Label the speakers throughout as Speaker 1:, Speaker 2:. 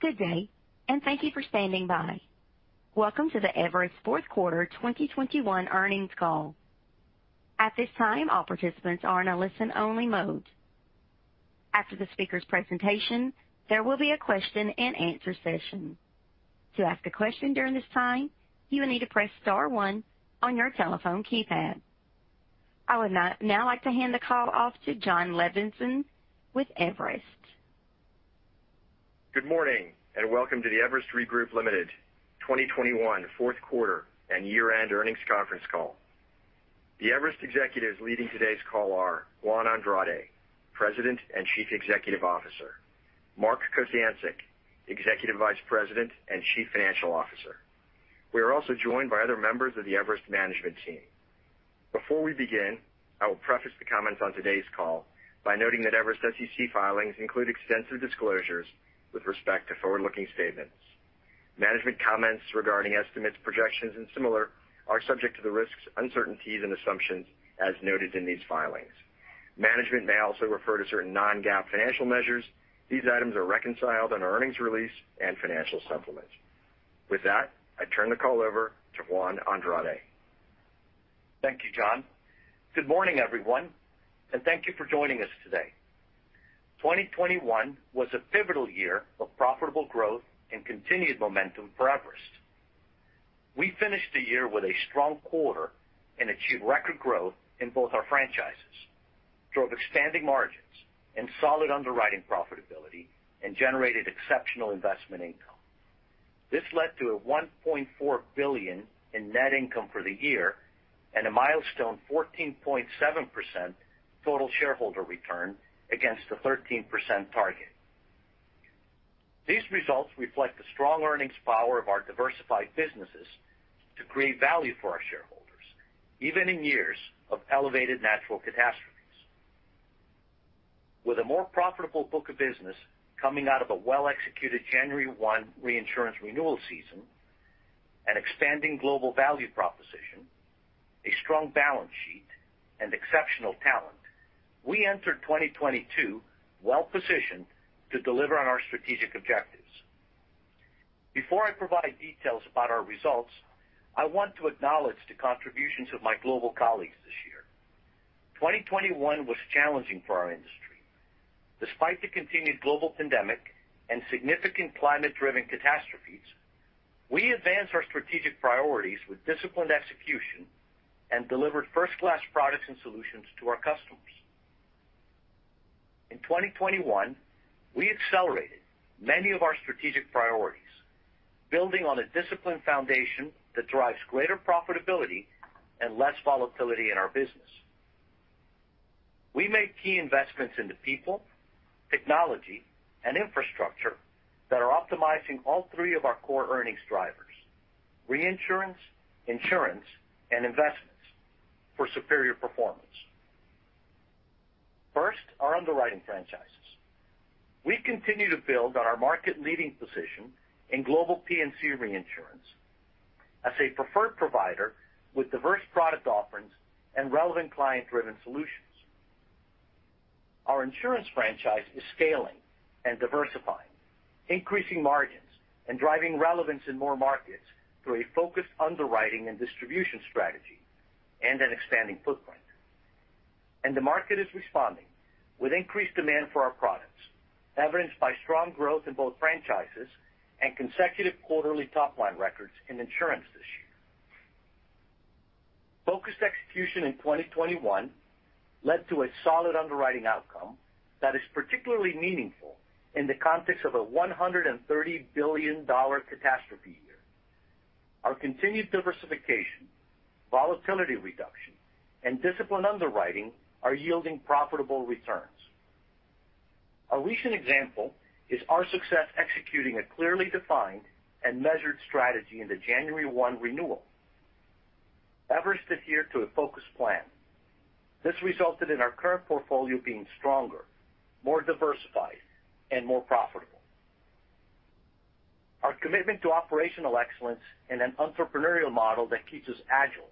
Speaker 1: Good day, and thank you for standing by. Welcome to the Everest fourth quarter 2021 earnings call. At this time, all participants are in a listen-only mode. After the speaker's presentation, there will be a question-and-answer session. To ask a question during this time, you will need to press star one on your telephone keypad. I would now like to hand the call off to Jon Levenson with Everest.
Speaker 2: Good morning, and welcome to the Everest Re Group, Ltd. 2021 fourth quarter and year-end earnings conference call. The Everest executives leading today's call are Juan Andrade, President and Chief Executive Officer, Mark Kociancic, Executive Vice President and Chief Financial Officer. We are also joined by other members of the Everest management team. Before we begin, I will preface the comments on today's call by noting that Everest SEC filings include extensive disclosures with respect to forward-looking statements. Management comments regarding estimates, projections, and similar are subject to the risks, uncertainties, and assumptions as noted in these filings. Management may also refer to certain non-GAAP financial measures. These items are reconciled on earnings release and financial supplements. With that, I turn the call over to Juan Andrade.
Speaker 3: Thank you, Jon Levenson. Good morning, everyone, and thank you for joining us today. 2021 was a pivotal year of profitable growth and continued momentum for Everest. We finished the year with a strong quarter and achieved record growth in both our franchises, drove expanding margins and solid underwriting profitability, and generated exceptional investment income. This led to a $1.4 billion in net income for the year and a milestone 14.7% total shareholder return against the 13% target. These results reflect the strong earnings power of our diversified businesses to create value for our shareholders, even in years of elevated natural catastrophes. With a more profitable book of business coming out of a well-executed January 1 reinsurance renewal season, an expanding global value proposition, a strong balance sheet, and exceptional talent, we entered 2022 well-positioned to deliver on our strategic objectives. Before I provide details about our results, I want to acknowledge the contributions of my global colleagues this year. 2021 was challenging for our industry. Despite the continued global pandemic and significant climate-driven catastrophes, we advanced our strategic priorities with disciplined execution and delivered first-class products and solutions to our customers. In 2021, we accelerated many of our strategic priorities, building on a disciplined foundation that drives greater profitability and less volatility in our business. We made key investments into people, technology, and infrastructure that are optimizing all three of our core earnings drivers, reinsurance, insurance, and investments, for superior performance. First, our underwriting franchises. We continue to build on our market-leading position in global P&C reinsurance as a preferred provider with diverse product offerings and relevant client-driven solutions. Our insurance franchise is scaling and diversifying, increasing margins and driving relevance in more markets through a focused underwriting and distribution strategy and an expanding footprint. The market is responding with increased demand for our products, evidenced by strong growth in both franchises and consecutive quarterly top-line records in insurance this year. Focused execution in 2021 led to it's solid underwriting outcome that is particularly meaningful in the context of a $130 billion catastrophe year. Our continued diversification, volatility reduction, and disciplined underwriting are yielding profitable returns. A recent example is our success executing a clearly defined and measured strategy in the January 1 renewal. Everest adhered to a focused plan. This resulted in our current portfolio being stronger, more diversified, and more profitable. Our commitment to operational excellence in an entrepreneurial model that keeps us agile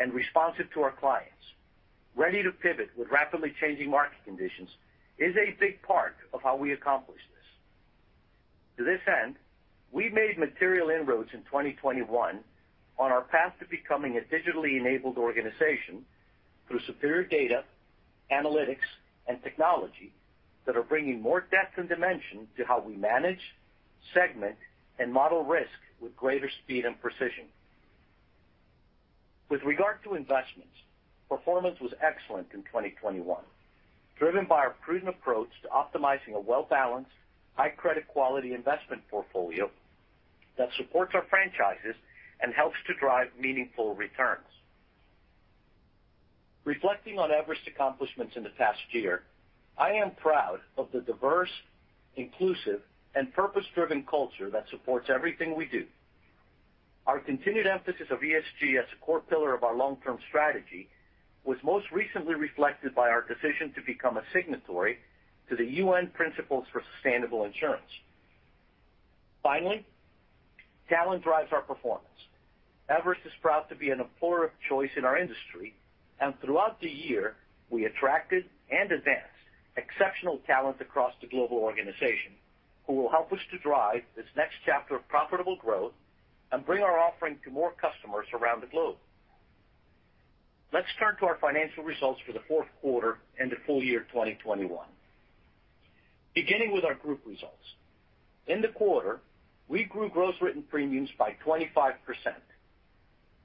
Speaker 3: and responsive to our clients, ready to pivot with rapidly changing market conditions, is a big part of how we accomplish this. To this end, we made material inroads in 2021 on our path to becoming a digitally enabled organization through superior data, analytics, and technology that are bringing more depth and dimension to how we manage, segment, and model risk with greater speed and precision. With regard to investments, performance was excellent in 2021, driven by our prudent approach to optimizing a well-balanced, high-credit-quality investment portfolio that supports our franchises and helps to drive meaningful returns. Reflecting on Everest accomplishments in the past year, I am proud of the diverse, inclusive, and purpose-driven culture that supports everything we do. Our continued emphasis of ESG as a core pillar of our long-term strategy was most recently reflected by our decision to become a signatory to the UN Principles for Sustainable Insurance. Finally, talent drives our performance. Everest is proud to be an employer of choice in our industry, and throughout the year, we attracted and advanced exceptional talent across the global organization who will help us to drive this next chapter of profitable growth and bring our offering to more customers around the globe. Let's turn to our financial results for the fourth quarter and the full year 2021. Beginning with our group results. In the quarter, we grew gross written premiums by 25%.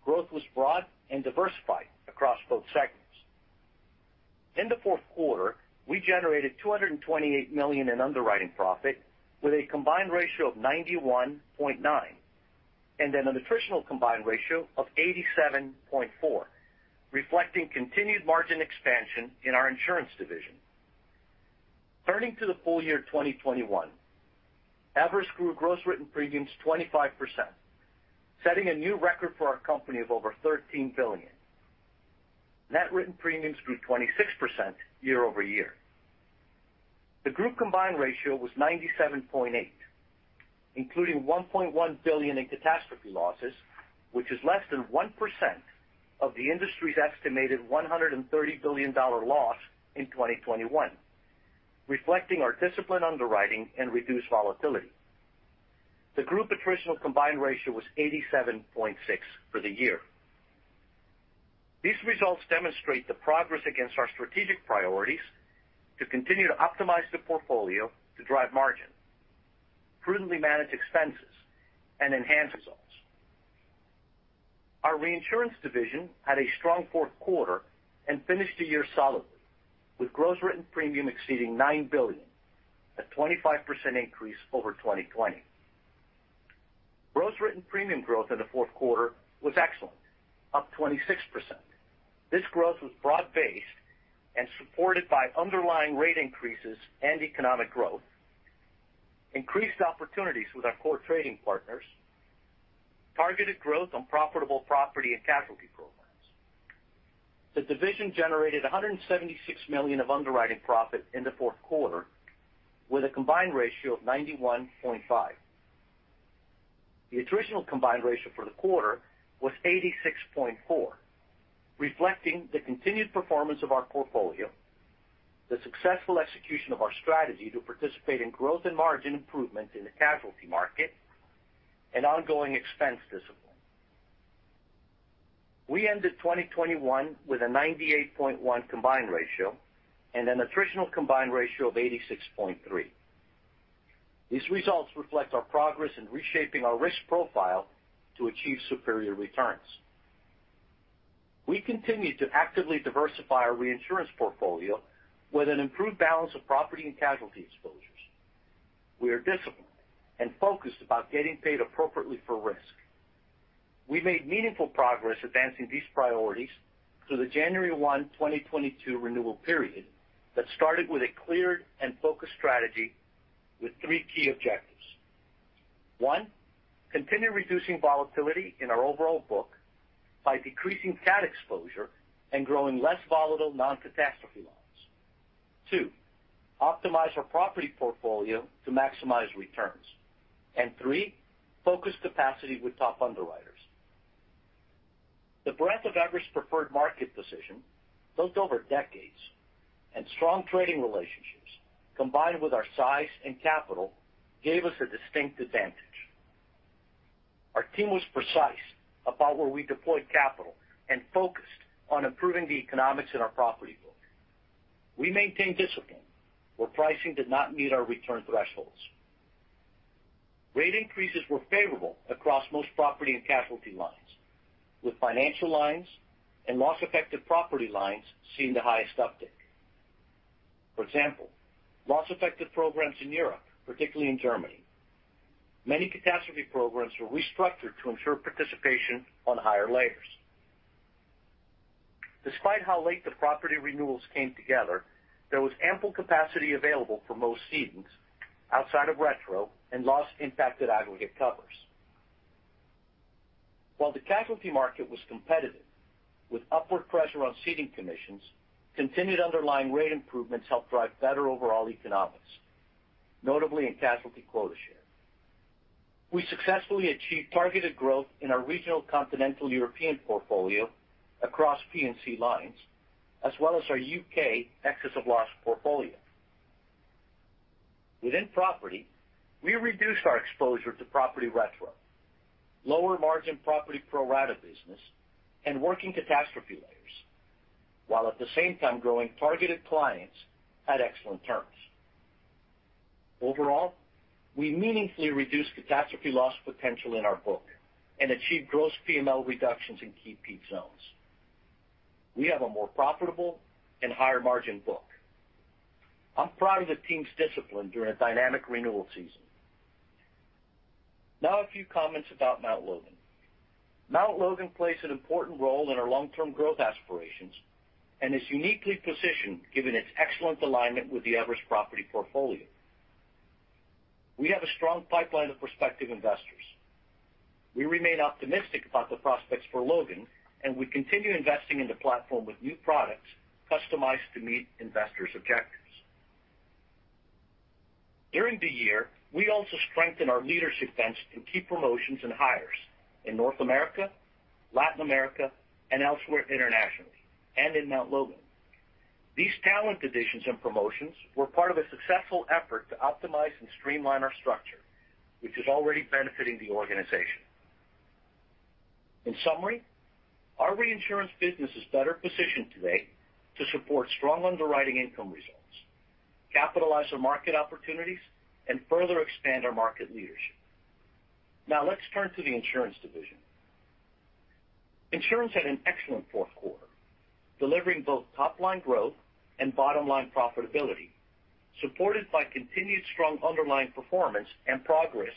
Speaker 3: Growth was broad and diversified across both segments. In the fourth quarter, we generated $228 million in underwriting profit with a combined ratio of 91.9% and an attritional combined ratio of 87.4%, reflecting continued margin expansion in our insurance division. Turning to the full year 2021, Everest grew gross written premiums 25%, setting a new record for our company of over $13 billion. Net written premiums grew 26% year-over-year. The group combined ratio was 97.8%, including $1.1 billion in catastrophe losses, which is less than 1% of the industry's estimated $130 billion loss in 2021, reflecting our disciplined underwriting and reduced volatility. The group attritional combined ratio was 87.6% for the year. These results demonstrate the progress against our strategic priorities to continue to optimize the portfolio to drive margin, prudently manage expenses, and enhance results. Our reinsurance division had a strong fourth quarter and finished the year solidly, with gross written premium exceeding $9 billion, a 25% increase over 2020. Gross written premium growth in the fourth quarter was excellent, up 26%. This growth was broad-based and supported by underlying rate increases and economic growth, increased opportunities with our core trading partners, targeted growth on profitable property and casualty programs. The division generated $176 million of underwriting profit in the fourth quarter, with a combined ratio of 91.5%. The attritional combined ratio for the quarter was 86.4%, reflecting the continued performance of our portfolio, the successful execution of our strategy to participate in growth and margin improvement in the casualty market, and ongoing expense discipline. We ended 2021 with a 98.1% combined ratio and an attritional combined ratio of 86.3%. These results reflect our progress in reshaping our risk profile to achieve superior returns. We continue to actively diversify our reinsurance portfolio with an improved balance of property and casualty exposures. We are disciplined and focused about getting paid appropriately for risk. We made meaningful progress advancing these priorities through the January 1, 2022, renewal period that started with a clear and focused strategy with three key objectives. One, continue reducing volatility in our overall book by decreasing cat exposure and growing less volatile non-catastrophe lines. Two, optimize our property portfolio to maximize returns. Three, focus capacity with top underwriters. The breadth of Everest's preferred market position, built over decades, and strong trading relationships, combined with our size and capital, gave us a distinct advantage. Our team was precise about where we deployed capital and focused on improving the economics in our property book. We maintained discipline where pricing did not meet our return thresholds. Rate increases were favorable across most property and casualty lines, with financial lines and loss-effective property lines seeing the highest uptick, for example, loss-effective programs in Europe, particularly in Germany. Many catastrophe programs were restructured to ensure participation on higher layers. Despite how late the property renewals came together, there was ample capacity available for most cedants outside of retro and loss-impacted aggregate covers. While the casualty market was competitive, with upward pressure on ceding commissions, continued underlying rate improvements helped drive better overall economics, notably in casualty quota share. We successfully achieved targeted growth in our regional continental European portfolio across P&C lines as well as our UK excess of loss portfolio. Within property, we reduced our exposure to property retro, lower-margin property pro rata business, and working catastrophe layers while at the same time growing targeted clients at excellent terms. Overall, we meaningfully reduced catastrophe loss potential in our book and achieved gross PML reductions in key peak zones. We have a more profitable and higher-margin book. I'm proud of the team's discipline during a dynamic renewal season. Now a few comments about Mt. Logan. Mt. Logan plays an important role in our long-term growth aspirations and is uniquely positioned given its excellent alignment with the Everest property portfolio. We have a strong pipeline of prospective investors. We remain optimistic about the prospects for Logan, and we continue investing in the platform with new products customized to meet investors' objectives. During the year, we also strengthened our leadership bench in key promotions and hires in North America, Latin America, and elsewhere internationally and in Mt. Logan. These talent additions and promotions were part of a successful effort to optimize and streamline our structure, which is already benefiting the organization. In summary, our reinsurance business is better positioned today to support strong underwriting income results, capitalize on market opportunities, and further expand our market leadership. Now let's turn to the insurance division. Insurance had an excellent fourth quarter, delivering both top-line growth and bottom-line profitability, supported by continued strong underlying performance and progress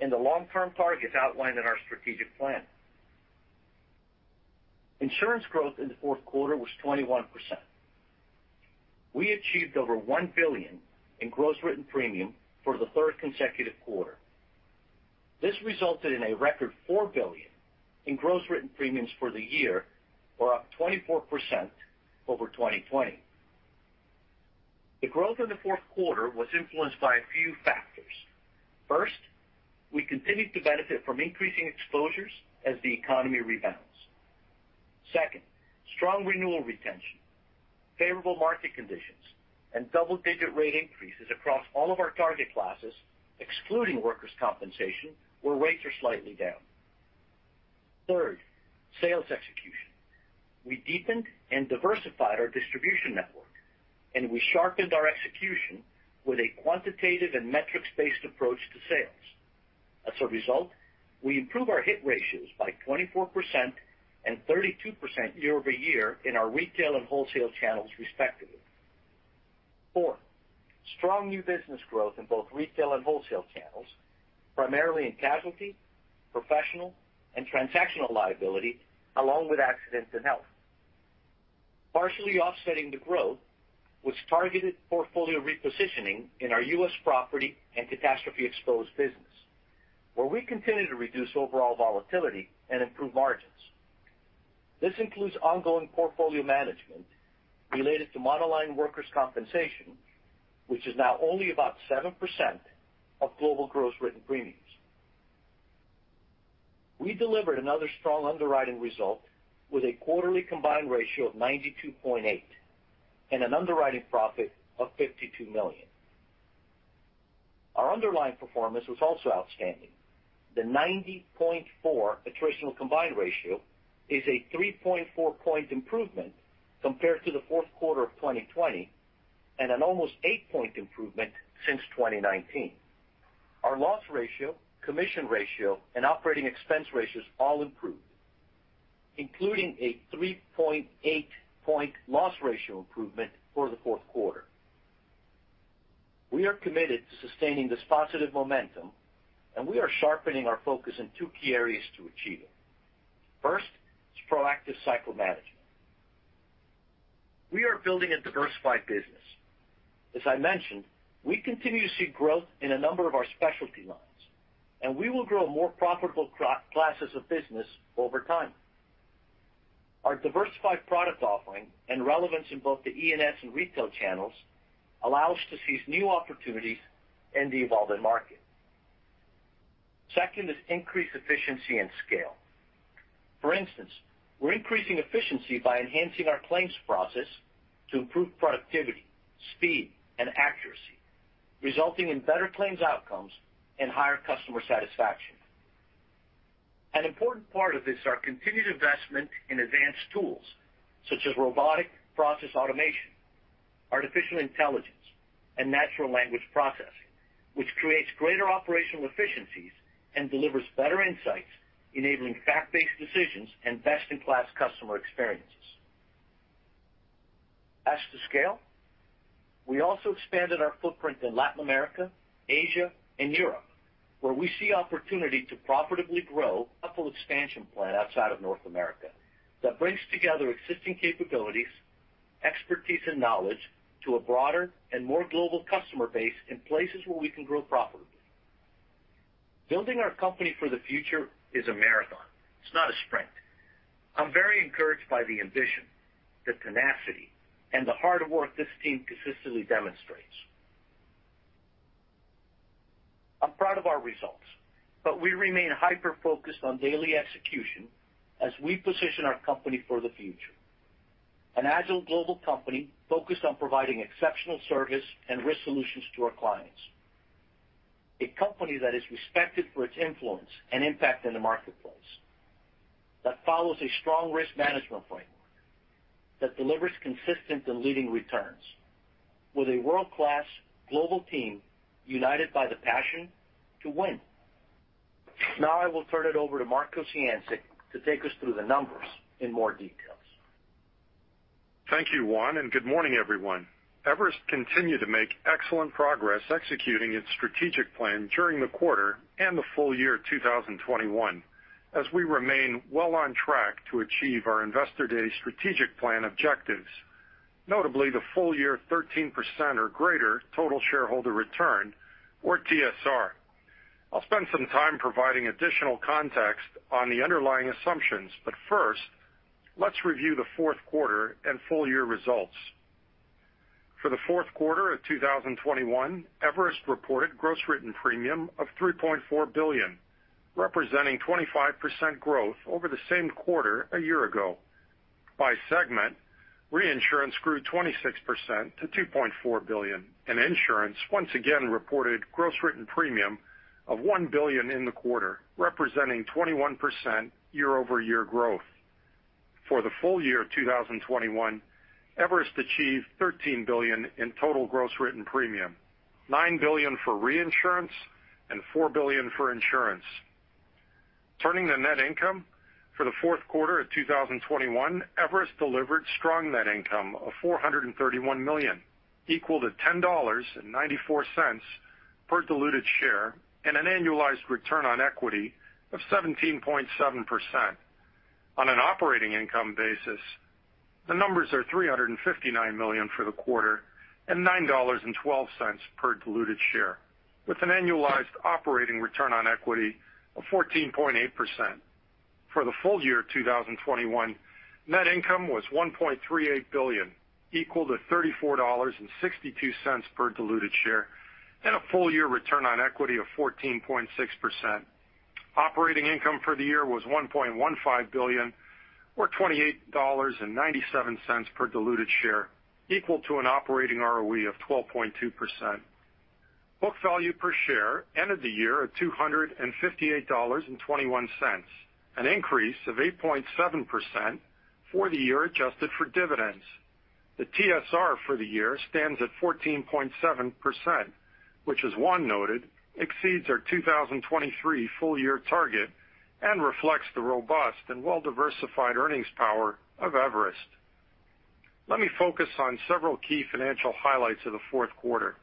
Speaker 3: in the long-term targets outlined in our strategic plan. Insurance growth in the fourth quarter was 21%. We achieved over $1 billion in gross written premium for the third consecutive quarter. This resulted in a record $4 billion in gross written premiums for the year, or up 24% over 2020. The growth in the fourth quarter was influenced by a few factors. First, we continued to benefit from increasing exposures as the economy rebounds. Second, strong renewal retention, favorable market conditions, and double-digit rate increases across all of our target classes, excluding workers' compensation, where rates are slightly down. Third, sales execution. We deepened and diversified our distribution network, and we sharpened our execution with a quantitative and metrics-based approach to sales. As a result, we improved our hit ratios by 24% and 32% year-over-year in our retail and wholesale channels, respectively. Four, strong new business growth in both retail and wholesale channels, primarily in casualty, professional, and transactional liability, along with accidents and health. Partially offsetting the growth was targeted portfolio repositioning in our U.S. property and catastrophe-exposed business, where we continue to reduce overall volatility and improve margins. This includes ongoing portfolio management related to monoline workers' compensation, which is now only about 7% of global gross written premiums. We delivered another strong underwriting result with a quarterly combined ratio of 92.8 and an underwriting profit of $52 million. Our underlying performance was also outstanding. The 90.4 attritional combined ratio is a 3.4-point improvement compared to the fourth quarter of 2020 and an almost 8-point improvement since 2019. Our loss ratio, commission ratio, and operating expense ratios all improved, including a 3.8-point loss ratio improvement for the fourth quarter. We are committed to sustaining this positive momentum, and we are sharpening our focus in two key areas to achieve it. First is proactive cycle management. We are building a diversified business. As I mentioned, we continue to see growth in a number of our specialty lines, and we will grow more profitable classes of business over time. Our diversified product offering and relevance in both the E and S and retail channels allow us to seize new opportunities in the evolving market. Second is increased efficiency and scale. For instance, we're increasing efficiency by enhancing our claims process to improve productivity, speed, and accuracy, resulting in better claims outcomes and higher customer satisfaction. An important part of this, our continued investment in advanced tools such as robotic process automation, artificial intelligence, and natural language processing, which creates greater operational efficiencies and delivers better insights, enabling fact-based decisions and best-in-class customer experiences. As to scale, we also expanded our footprint in Latin America, Asia, and Europe, where we see opportunity to profitably grow a full expansion plan outside of North America that brings together existing capabilities, expertise, and knowledge to a broader and more global customer base in places where we can grow profitably. Building our company for the future is a marathon. It's not a sprint. I'm very encouraged by the ambition, the tenacity, and the hard work this team consistently demonstrates. I'm proud of our results, but we remain hyper-focused on daily execution as we position our company for the future. An agile global company focused on providing exceptional service and risk solutions to our clients. A company that is respected for its influence and impact in the marketplace; that follows a strong risk management framework; that delivers consistent and leading returns with a world-class global team united by the passion to win. Now I will turn it over to Mark Kociancic to take us through the numbers in more details.
Speaker 4: Thank you, Juan, and good morning, everyone. Everest continued to make excellent progress executing its strategic plan during the quarter and the full year 2021, as we remain well on track to achieve our Investor Day strategic plan objectives. Notably, the full year 13% or greater total shareholder return, or TSR. I'll spend some time providing additional context on the underlying assumptions, but first, let's review the fourth-quarter and full-year results. For the fourth quarter of 2021, Everest reported gross written premium of $3.4 billion, representing 25% growth over the same quarter a year ago. By segment, reinsurance grew 26% to $2.4 billion, and insurance once again reported gross written premium of $1 billion in the quarter, representing 21% year-over-year growth. For the full year of 2021, Everest achieved $13 billion in total gross written premium, $9 billion for reinsurance, and $4 billion for insurance. Turning to net income, for the fourth quarter of 2021, Everest delivered strong net income of $431 million, equal to $10.94 per diluted share, and an annualized return on equity of 17.7%. On an operating income basis, the numbers are $359 million for the quarter and $9.12 per diluted share, with an annualized operating return on equity of 14.8%. For the full year of 2021, net income was $1.38 billion, equal to $34.62 per diluted share, and a full-year return on equity of 14.6%. Operating income for the year was $1.15 billion or $28.97 per diluted share, equal to an operating ROE of 12.2%. Book value per share ended the year at $258.21, an increase of 8.7% for the year adjusted for dividends. The TSR for the year stands at 14.7%, which, as Juan noted, exceeds our 2023 full-year target and reflects the robust and well-diversified earnings power of Everest. Let me focus on several key financial highlights of the fourth quarter.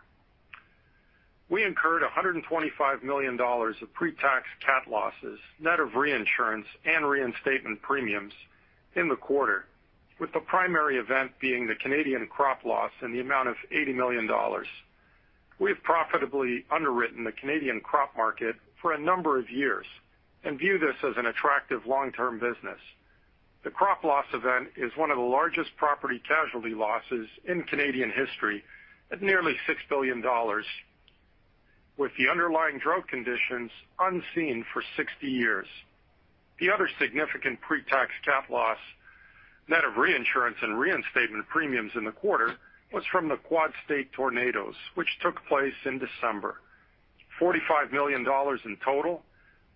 Speaker 4: We incurred $125 million of pre-tax cat losses, net of reinsurance and reinstatement premiums, in the quarter, with the primary event being the Canadian crop loss in the amount of $80 million. We have profitably underwritten the Canadian crop market for a number of years and view this as an attractive long-term business. The crop loss event is one of the largest property casualty losses in Canadian history at nearly 6 billion dollars, with the underlying drought conditions unseen for 60 years. The other significant pre-tax cat loss, net of reinsurance and reinstatement premiums in the quarter, was from the Quad-State Tornadoes, which took place in December. $45 million in total,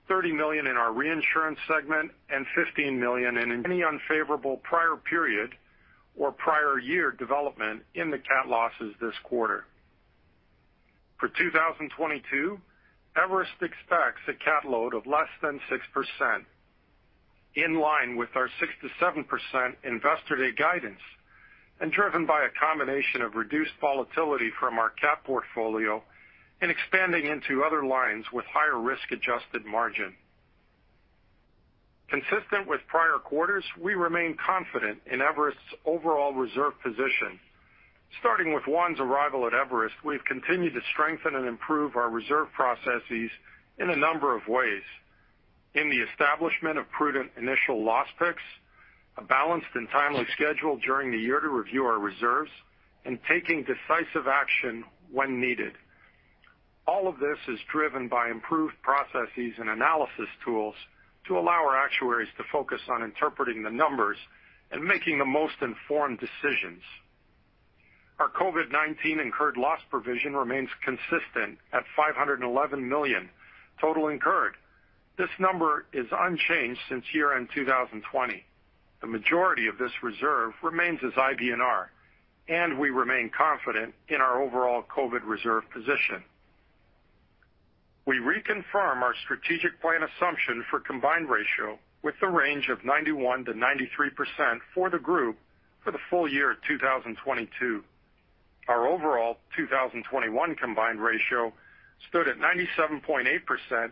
Speaker 4: $30 million in our reinsurance segment, and $15 million in any unfavorable prior period or prior year development in the cat losses this quarter. For 2022, Everest expects a cat load of less than 6%, in line with our 6%-7% Investor Day guidance and driven by a combination of reduced volatility from our cat portfolio and expanding into other lines with higher risk-adjusted margin. Consistent with prior quarters, we remain confident in Everest's overall reserve position. Starting with Juan's arrival at Everest, we've continued to strengthen and improve our reserve processes in a number of ways, in the establishment of prudent initial loss picks, a balanced and timely schedule during the year to review our reserves, and taking decisive action when needed. All of this is driven by improved processes and analysis tools to allow our actuaries to focus on interpreting the numbers and making the most informed decisions. Our COVID-19 incurred loss provision remains consistent at $511 million total incurred. This number is unchanged since year-end 2020. The majority of this reserve remains as IBNR, and we remain confident in our overall COVID reserve position. We reconfirm our strategic plan assumption for combined ratio with the range of 91%-93% for the group for the full year of 2022. Our overall 2021 combined ratio stood at 97.8%,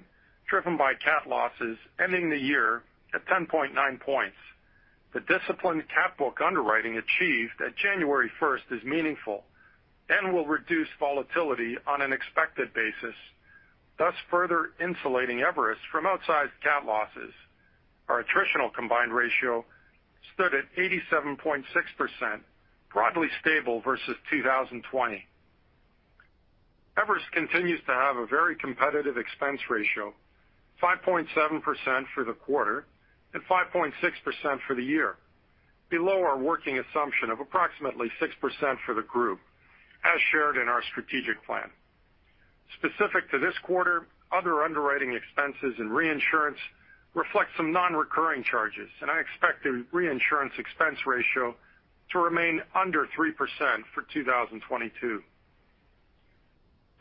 Speaker 4: driven by cat losses ending the year at 10.9 points. The disciplined cat book underwriting achieved at January first is meaningful and will reduce volatility on an expected basis, thus further insulating Everest from outsized cat losses. Our attritional combined ratio stood at 87.6%, broadly stable versus 2020. Everest continues to have a very competitive expense ratio, 5.7% for the quarter and 5.6% for the year, below our working assumption of approximately 6% for the group, as shared in our strategic plan. Specific to this quarter, other underwriting expenses and reinsurance reflect some non-recurring charges, and I expect the reinsurance expense ratio to remain under 3% for 2022.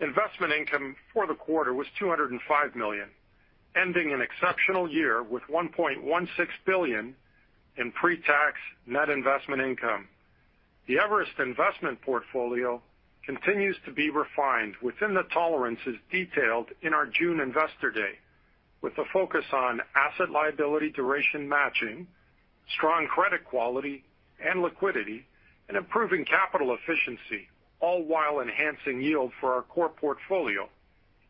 Speaker 4: Investment income for the quarter was $205 million, ending an exceptional year with $1.16 billion in pre-tax net investment income. The Everest investment portfolio continues to be refined within the tolerances detailed in our June Investor Day. With a focus on asset-liability duration matching, strong credit quality and liquidity, and improving capital efficiency, all while enhancing yield for our core portfolio,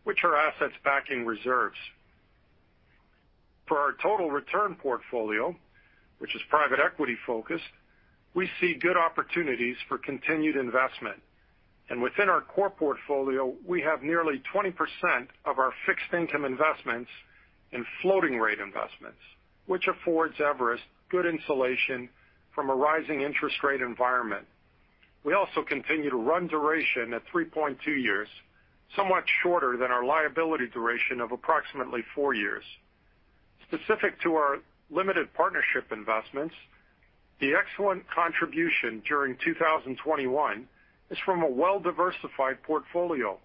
Speaker 4: which are assets backing reserves. For our total return portfolio, which is private-equity focused, we see good opportunities for continued investment. Within our core portfolio, we have nearly 20% of our fixed-income investments in floating-rate investments, which affords Everest good insulation from a rising interest rate environment. We also continue to run duration at 3.2 years, somewhat shorter than our liability duration of approximately 4 years. Specific to our limited partnership investments, the excellent contribution during 2021 is from a well-diversified portfolio,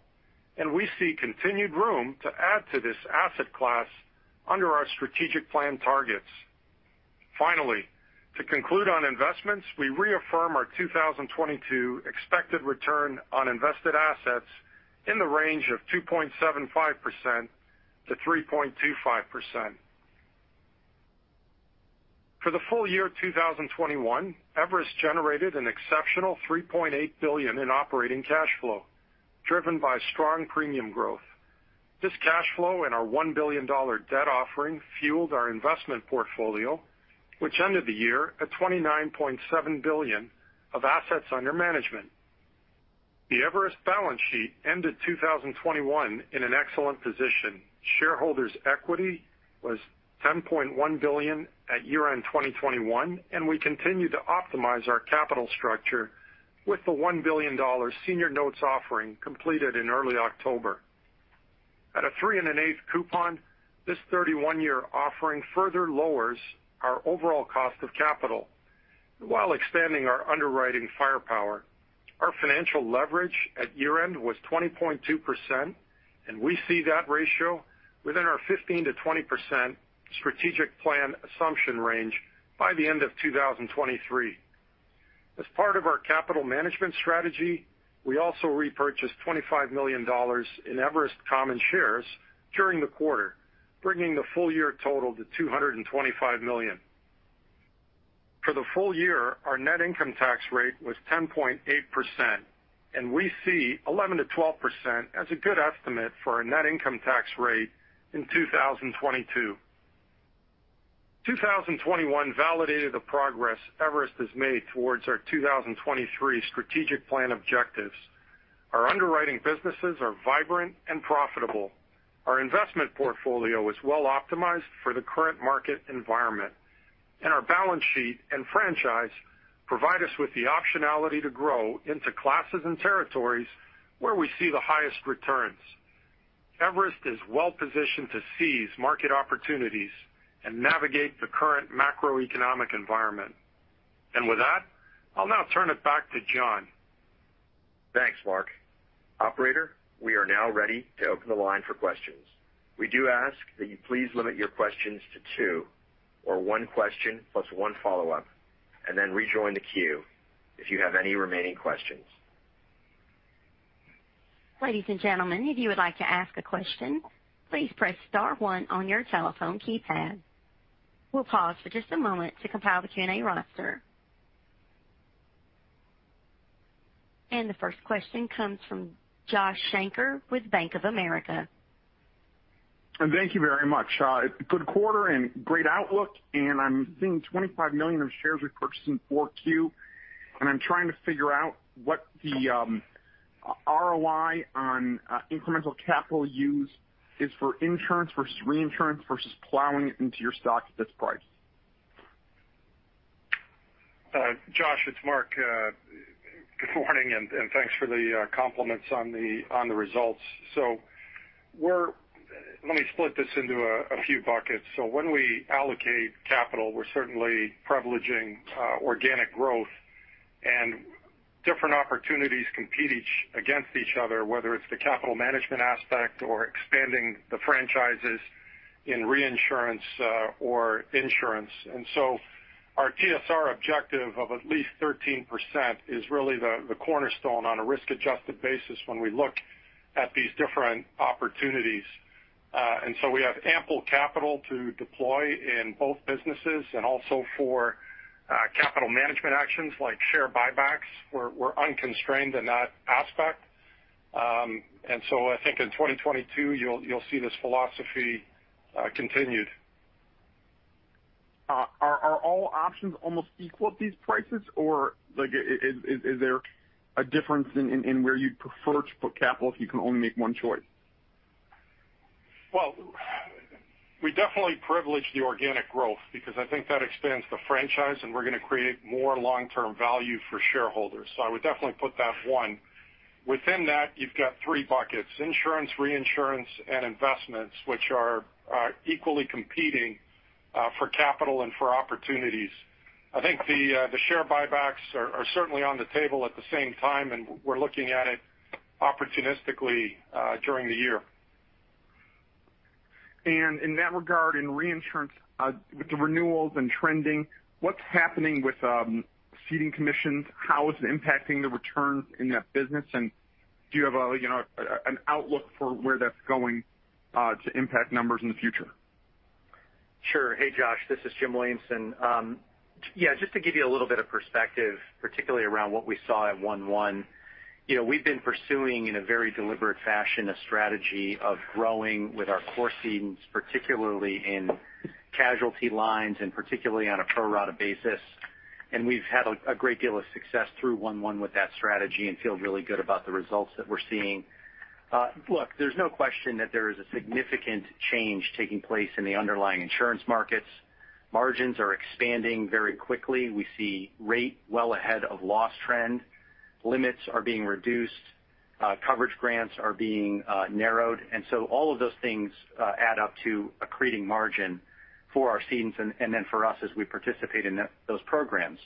Speaker 4: and we see continued room to add to this asset class under our strategic plan targets. Finally, to conclude on investments, we reaffirm our 2022 expected return on invested assets in the range of 2.75%-3.25%. For the full year 2021, Everest generated an exceptional $3.8 billion in operating cash flow, driven by strong premium growth. This cash flow and our $1 billion debt offering fueled our investment portfolio, which ended the year at $29.7 billion of assets under management. The Everest balance sheet ended 2021 in an excellent position. Shareholders' equity was $10.1 billion at year-end 2021, and we continue to optimize our capital structure with the $1 billion senior notes offering completed in early October. At a 3.8% coupon, this 31-year offering further lowers our overall cost of capital while expanding our underwriting firepower. Our financial leverage at year-end was 20.2%, and we see that ratio within our 15%-20% strategic plan assumption range by the end of 2023. As part of our capital management strategy, we also repurchased $25 million in Everest common shares during the quarter, bringing the full year total to $225 million. For the full year, our net income tax rate was 10.8%, and we see 11%-12% as a good estimate for our net income tax rate in 2022. 2021 validated the progress Everest has made towards our 2023 strategic plan objectives. Our underwriting businesses are vibrant and profitable. Our investment portfolio is well optimized for the current market environment, and our balance sheet and franchise provide us with the optionality to grow into classes and territories where we see the highest returns. Everest is well positioned to seize market opportunities and navigate the current macroeconomic environment. With that, I'll now turn it back to Jon.
Speaker 2: Thanks, Mark. Operator, we are now ready to open the line for questions. We do ask that you please limit your questions to two, or one question plus one follow-up, and then rejoin the queue if you have any remaining questions.
Speaker 1: The first question comes from Joshua Shanker with Bank of America.
Speaker 5: Thank you very much. Good quarter and great outlook. I'm seeing 25 million of shares repurchased in Q4, and I'm trying to figure out what the ROI on incremental capital use is for insurance versus reinsurance versus plowing it into your stock at this price.
Speaker 4: Josh, it's Mark. Good morning, and thanks for the compliments on the results. Let me split this into a few buckets. When we allocate capital, we're certainly privileging organic growth, and different opportunities compete against each other, whether it's the capital management aspect or expanding the franchises in reinsurance or insurance. Our TSR objective of at least 13% is really the cornerstone on a risk-adjusted basis when we look at these different opportunities. We have ample capital to deploy in both businesses and also for capital management actions like share buybacks. We're unconstrained in that aspect. I think in 2022, you'll see this philosophy continued.
Speaker 5: Are all options almost equal at these prices? Or, like, is there a difference in where you'd prefer to put capital if you can only make one choice?
Speaker 4: Well, we definitely privilege the organic growth because I think that expands the franchise, and we're gonna create more long-term value for shareholders. I would definitely put that one. Within that, you've got three buckets: insurance, reinsurance, and investments, which are equally competing for capital and for opportunities. I think the share buybacks are certainly on the table at the same time, and we're looking at it opportunistically during the year.
Speaker 5: In that regard, in reinsurance, with the renewals and trending, what's happening with ceding commissions? How is it impacting the returns in that bus? Do you have an outlook for where that's going to impact numbers in the future?
Speaker 6: Sure. Hey, Josh, this is Jim Williamson. Just to give you a little bit of perspective, particularly around what we saw at Q1, you know, we've been pursuing, in a very deliberate fashion, a strategy of growing with our core clients, particularly in casualty lines and particularly on a pro rata basis. We've had a great deal of success through Q1 with that strategy and feel really good about the results that we're seeing. Look, there's no question that there is a significant change taking place in the underlying insurance markets. Margins are expanding very quickly. We see rate well ahead of loss trend. Limits are being reduced; coverage grants are being narrowed. All of those things add up to accreting margin for our cedents and then for us as we participate in those programs.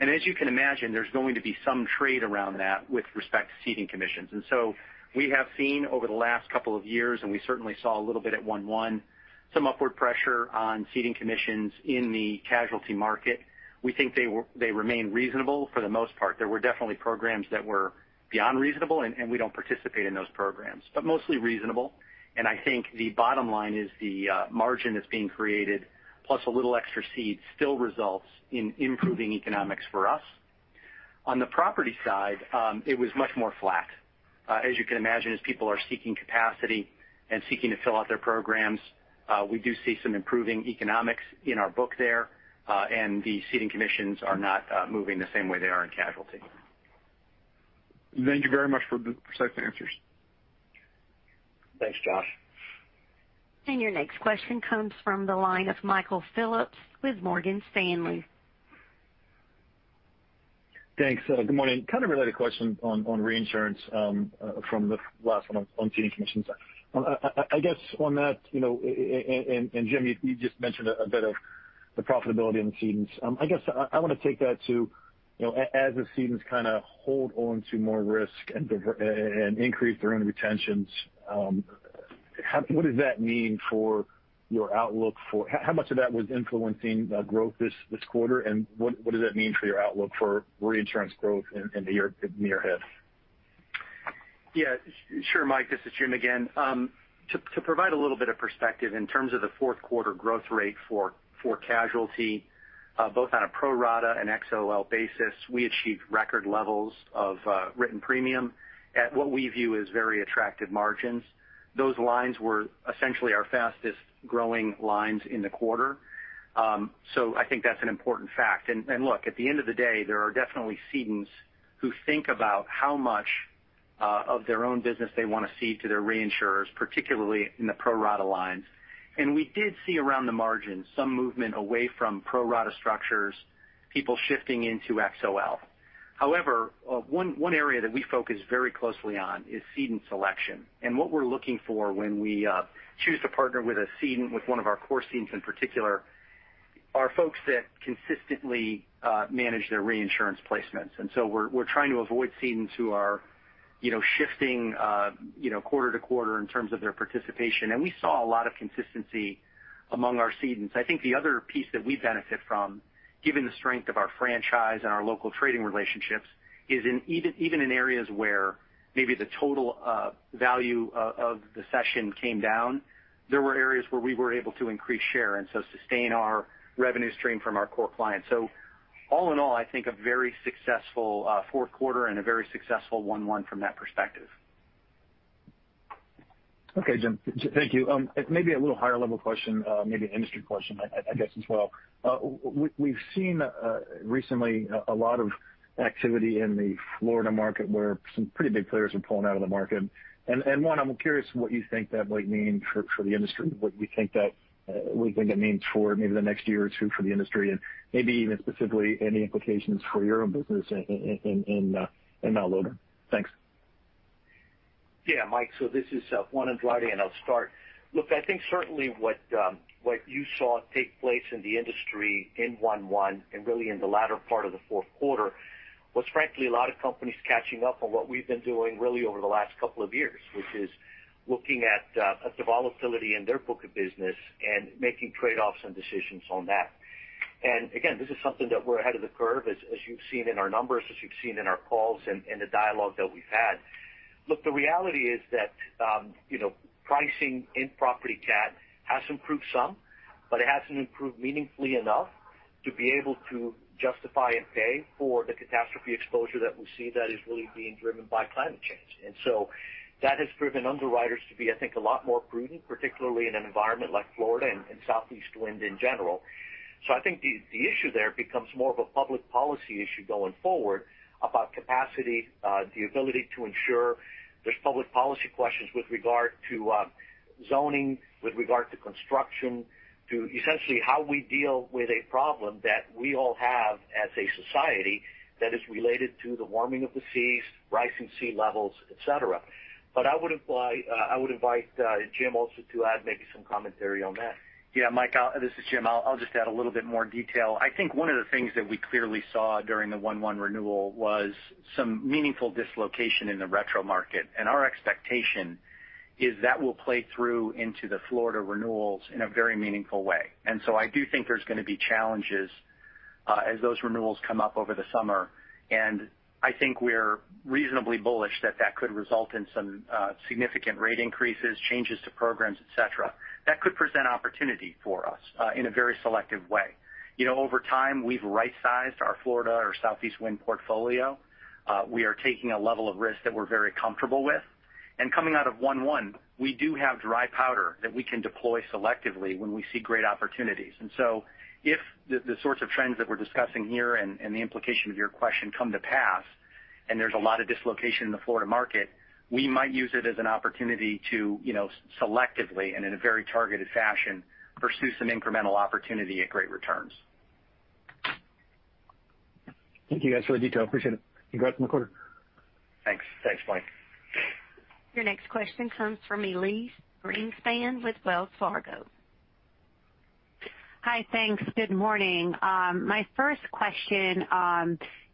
Speaker 6: As you can imagine, there's going to be some trade around that with respect to ceding commissions. We have seen over the last couple of years, and we certainly saw a little bit at 1:1, some upward pressure on ceding commissions in the casualty market. We think they remain reasonable for the most part. There were definitely programs that were beyond reasonable, and we don't participate in those programs, but mostly reasonable. I think the bottom line is the margin that's being created, plus a little extra cede still results in improving economics for us. On the property side, it was much more flat. As you can imagine, as people are seeking capacity and seeking to fill out their programs, we do see some improving economics in our book there, and the ceding commissions are not moving the same way they are in casualty.
Speaker 5: Thank you very much for the precise answers.
Speaker 3: Thanks, Josh.
Speaker 1: Your next question comes from the line of Michael Phillips with Morgan Stanley.
Speaker 7: Thanks. Good morning. Kind of related question on reinsurance from the last one on ceding commissions. I guess on that, you know, and Jim, you just mentioned a bit of the profitability in the cedents. I guess I want to take that to, you know, as the cedents kind of hold on to more risk and increase their own retentions, what does that mean for your outlook for how much of that was influencing the growth this quarter? And what does that mean for your outlook for reinsurance growth in the year ahead?
Speaker 6: Yeah, sure, Mike. This is Jim again. To provide a little bit of perspective in terms of the fourth quarter growth rate for casualty, both on a pro rata and XOL basis, we achieved record levels of written premium at what we view as very attractive margins. Those lines were essentially our fastest-growing lines in the quarter. I think that's an important fact. Look, at the end of the day, there are definitely cedents who think about how much of their own business they want to cede to their reinsurers, particularly in the pro rata lines. We did see around the margin some movement away from pro rata structures, people shifting into XOL. However, one area that we focus very closely on is cedent selection. What we're looking for when we choose to partner with a cedent, with one of our core cedents in particular, are folks that consistently manage their reinsurance placements. We're trying to avoid cedents who are, you know, shifting, you know, quarter to quarter in terms of their participation. We saw a lot of consistency among our cedents. I think the other piece that we benefit from, given the strength of our franchise and our local trading relationships, is in even in areas where maybe the total value of the session came down, there were areas where we were able to increase share and so sustain our revenue stream from our core clients. All in all, I think a very successful fourth quarter and a very successful one from that perspective.
Speaker 7: Okay, Jim. Thank you. Maybe a little higher-level question, maybe an industry question, I guess, as well. We've seen recently a lot of activity in the Florida market, where some pretty big players are pulling out of the market. I'm curious what you think that might mean for the industry, what you think it means for maybe the next year or two for the industry, and maybe even specifically any implications for your own business in Mt. Logan. Thanks.
Speaker 3: Yeah, Mike. This is Juan Andrade, and I'll start. Look, I think certainly what you saw take place in the industry in 2021 and really in the latter part of the fourth quarter was frankly a lot of companies catching up on what we've been doing really over the last couple of years, which is looking at the volatility in their book of business and making trade-offs and decisions on that. Again, this is something that we're ahead of the curve, as you've seen in our numbers, as you've seen in our calls and the dialogue that we've had. Look, the reality is that, you know, pricing in property cat has improved some, but it hasn't improved meaningfully enough to be able to justify and pay for the catastrophe exposure that we see that is really being driven by climate change. That has driven underwriters to be, I think, a lot more prudent, particularly in an environment like Florida and Southeast wind in general. I think the issue there becomes more of a public policy issue going forward about capacity, the ability to insure. There's public policy questions with regard to zoning, with regard to construction, to essentially how we deal with a problem that we all have as a society that is related to the warming of the seas, rising sea levels, et cetera. I would invite Jim also to add maybe some commentary on that.
Speaker 6: Yeah, Mike, this is Jim. I'll just add a little bit more detail. I think one of the things that we clearly saw during the 1-1 renewal was some meaningful dislocation in the retro market. Our expectation is that will play through into the Florida renewals in a very meaningful way. I do think there's gonna be challenges.
Speaker 3: As those renewals come up over the summer, and I think we're reasonably bullish that that could result in some significant rate increases, changes to programs, et cetera. That could present opportunity for us in a very selective way. You know, over time, we've right-sized our Florida or southeast wind portfolio. We are taking a level of risk that we're very comfortable with. Coming out of 1/1, we do have dry powder that we can deploy selectively when we see great opportunities. If the sorts of trends that we're discussing here and the implication of your question come to pass, and there's a lot of dislocation in the Florida market, we might use it as an opportunity to, you know, selectively and in a very targeted fashion, pursue some incremental opportunity at great returns.
Speaker 7: Thank you guys for the detail. Appreciate it. Congrats on the quarter.
Speaker 3: Thanks. Thanks, Mike.
Speaker 1: Your next question comes from Elyse Greenspan with Wells Fargo.
Speaker 8: Hi. Thanks. Good morning. My first question: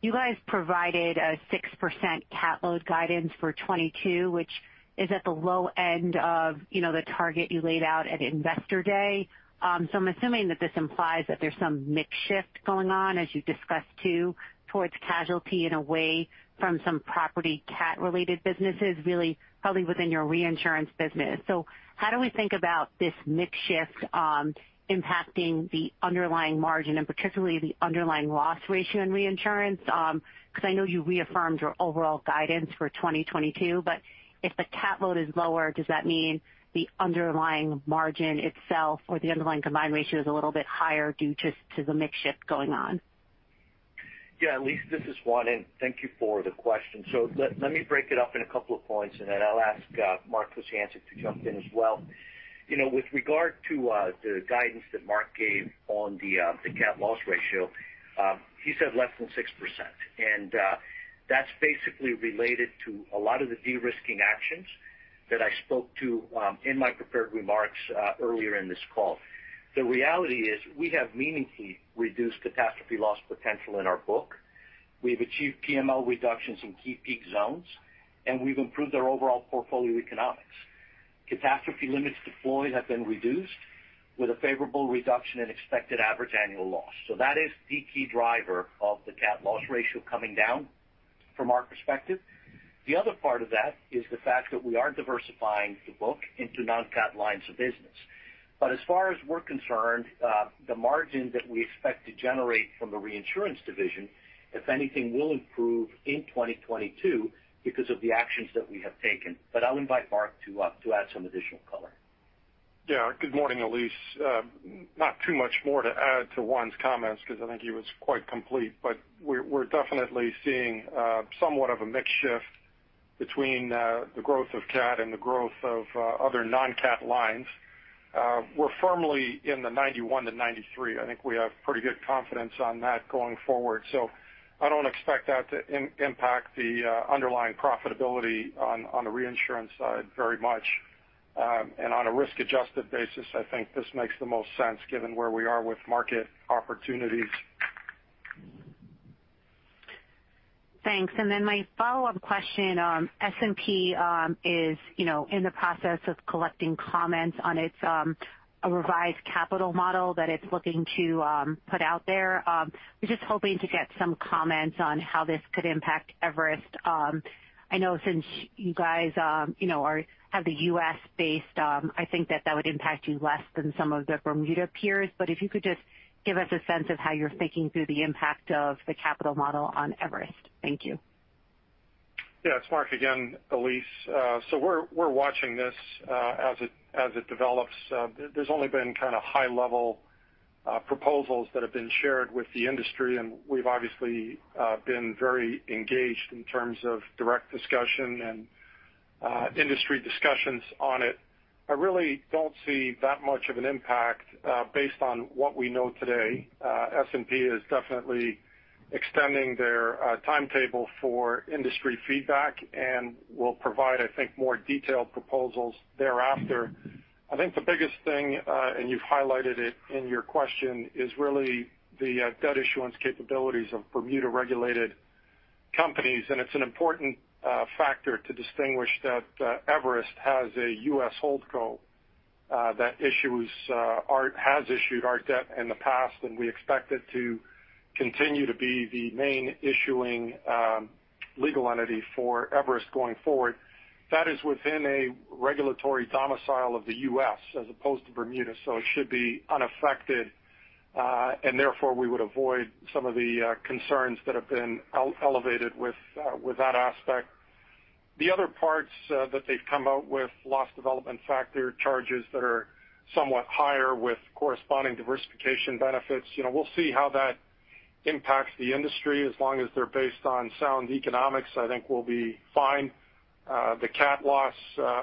Speaker 8: You guys provided a 6% cat load guidance for 2022, which is at the low end of, you know, the target you laid out at Investor Day. I'm assuming that this implies that there's some mix shift going on as you discussed too, towards casualty and away from some property cat related businesses, really probably within your reinsurance business. How do we think about this mix shift impacting the underlying margin and particularly the underlying loss ratio in reinsurance? Because I know you reaffirmed your overall guidance for 2022, but if the cat load is lower, does that mean the underlying margin itself or the underlying combined ratio is a little bit higher due to the mix shift going on?
Speaker 3: Yeah, Elyse, this is Juan, and thank you for the question. Let me break it up in a couple of points, and then I'll ask Mark Kociancic to jump in as well. You know, with regard to the guidance that Mark gave on the cat loss ratio, he said less than 6%. That's basically related to a lot of the de-risking actions that I spoke to in my prepared remarks earlier in this call. The reality is we have meaningfully reduced catastrophe loss potential in our book. We've achieved PML reductions in key peak zones, and we've improved our overall portfolio economics. Catastrophe limits deployed have been reduced with a favorable reduction in expected average annual loss. That is the key driver of the cat loss ratio coming down from our perspective. The other part of that is the fact that we are diversifying the book into non-cat lines of business. As far as we're concerned, the margin that we expect to generate from the reinsurance division, if anything, will improve in 2022 because of the actions that we have taken. I'll invite Mark to add some additional color.
Speaker 4: Yeah. Good morning, Elyse. Not too much more to add to Juan's comments because I think he was quite complete, but we're definitely seeing somewhat of a mix shift between the growth of cat and the growth of other non-cat lines. We're firmly in the 91-93%. I think we have pretty good confidence on that going forward. I don't expect that to impact the underlying profitability on the reinsurance side very much. And on a risk-adjusted basis, I think this makes the most sense given where we are with market opportunities.
Speaker 8: Thanks. My follow-up question, S&P is, you know, in the process of collecting comments on its revised capital model that it's looking to put out there. Was just hoping to get some comments on how this could impact Everest. I know since you guys, you know, have the U.S.-based ones, I think that would impact you less than some of the Bermuda peers. If you could just give us a sense of how you're thinking through the impact of the capital model on Everest. Thank you.
Speaker 4: Yeah, it's Mark again, Elyse. We're watching this as it develops. There's only been kind of high-level proposals that have been shared with the industry, and we've obviously been very engaged in terms of direct discussion and industry discussions on it. I really don't see that much of an impact based on what we know today. S&P is definitely extending their timetable for industry feedback and will provide, I think, more detailed proposals thereafter. I think the biggest thing and you've highlighted it in your question, is really the debt issuance capabilities of Bermuda-regulated companies. It's an important factor to distinguish that Everest has a U.S. holdco that has issued our debt in the past, and we expect it to continue to be the main issuing legal entity for Everest going forward. That is within a regulatory domicile of the U.S. as opposed to Bermuda, so it should be unaffected, and therefore we would avoid some of the concerns that have been elevated with that aspect. The other parts that they've come out with loss development factor charges that are somewhat higher with corresponding diversification benefits. You know, we'll see how that impacts the industry. As long as they're based on sound economics, I think we'll be fine. The cat loss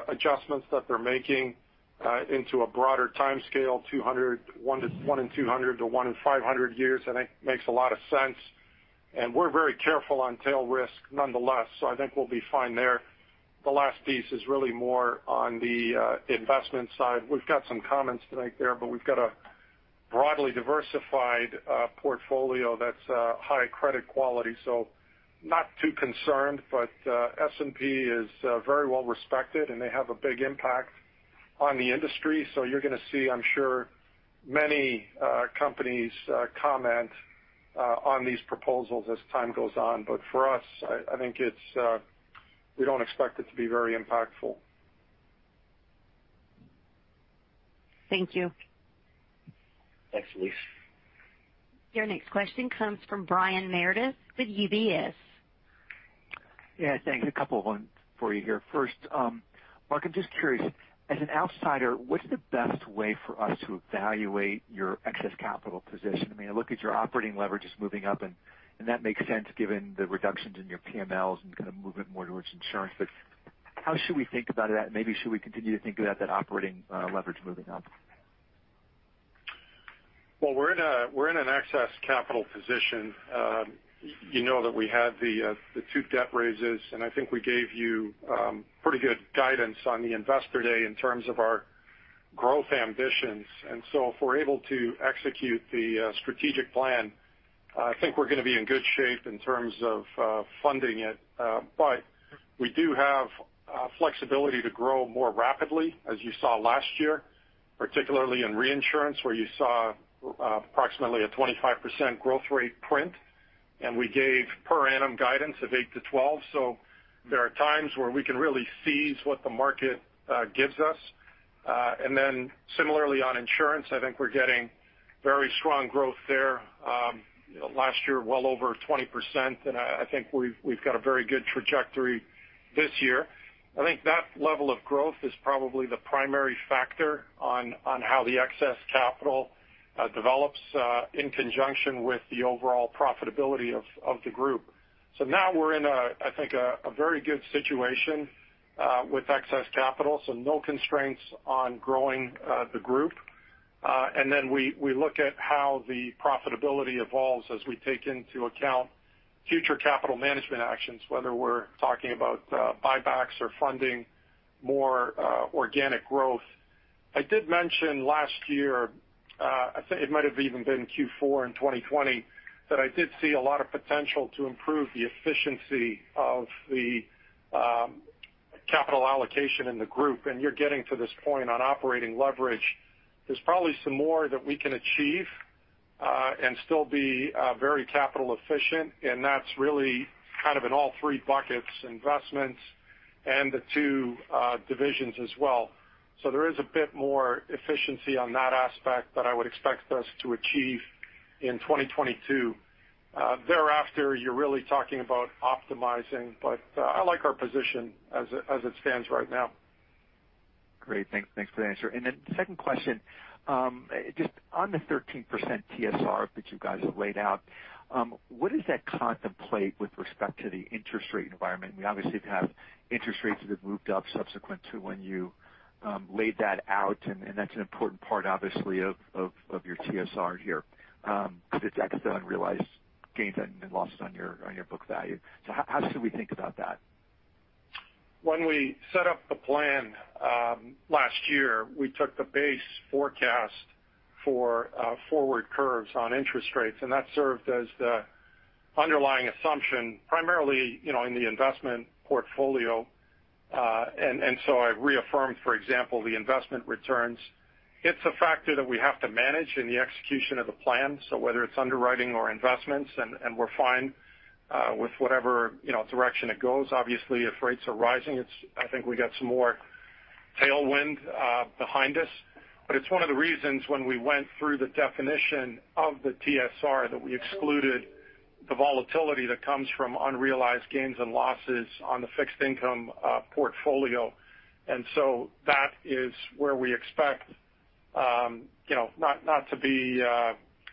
Speaker 4: adjustments that they're making into a broader timescale, one in 200 to one in 500 years, I think makes a lot of sense. We're very careful on tail risk nonetheless, so I think we'll be fine there. The last piece is really more on the investment side. We've got some comments to make there, but we've got a broadly diversified portfolio that's high credit quality, so not too concerned. S&P is very well respected, and they have a big impact on the industry. You're gonna see, I'm sure, many companies comment on these proposals as time goes on. For us, I think we don't expect it to be very impactful.
Speaker 8: Thank you.
Speaker 3: Thanks, Elyse.
Speaker 1: Your next question comes from Brian Meredith with UBS.
Speaker 9: Yeah. Thanks. A couple of them for you here. First, Mark, I'm just curious, as an outsider, what's the best way for us to evaluate your excess capital position? I mean, I look at your operating leverage is moving up, and that makes sense given the reductions in your PMLs and kind of moving more towards insurance. How should we think about that? Maybe should we continue to think about that operating leverage moving up?
Speaker 4: Well, we're in an excess capital position. You know that we had the two debt raises, and I think we gave you pretty good guidance on investor day in terms of our growth ambitions. If we're able to execute the strategic plan, I think we're gonna be in good shape in terms of funding it. We do have flexibility to grow more rapidly, as you saw last year, particularly in reinsurance, where you saw approximately a 25% growth rate print, and we gave per annum guidance of 8%-12%. There are times where we can really seize what the market gives us. Similarly, on insurance, I think we're getting very strong growth there, last year, well over 20%, and I think we've got a very good trajectory this year. I think that level of growth is probably the primary factor on how the excess capital develops in conjunction with the overall profitability of the group. Now we're in, I think, a very good situation with excess capital, so no constraints on growing the group. We look at how the profitability evolves as we take into account future capital management actions, whether we're talking about buybacks or funding more organic growth. I did mention last year, I think it might have even been Q4 in 2020, that I did see a lot of potential to improve the efficiency of the capital allocation in the group. You're getting to this point on operating leverage. There's probably some more that we can achieve and still be very capital efficient, and that's really kind of in all three buckets: investments and the two divisions as well. There is a bit more efficiency on that aspect that I would expect us to achieve in 2022. Thereafter, you're really talking about optimizing, but I like our position as it stands right now.
Speaker 9: Great. Thanks for the answer. The second question, just on the 13% TSR that you guys have laid out, what does that contemplate with respect to the interest rate environment? We obviously have interest rates that have moved up subsequent to when you laid that out, and that's an important part obviously of your TSR here because it's excess unrealized gains and losses on your book value. How should we think about that?
Speaker 4: When we set up the plan last year, we took the base forecast for forward curves on interest rates, and that served as the underlying assumption, primarily, you know, in the investment portfolio. So I reaffirmed, for example, the investment returns. It's a factor that we have to manage in the execution of the plan, so whether it's underwriting or investments, and we're fine with whatever, you know, direction it goes. Obviously, if rates are rising, it's. I think we got some more tailwind behind us. But it's one of the reasons when we went through the definition of the TSR, we excluded the volatility that comes from unrealized gains and losses on the fixed-income portfolio. So that is where we expect, you know, not to be.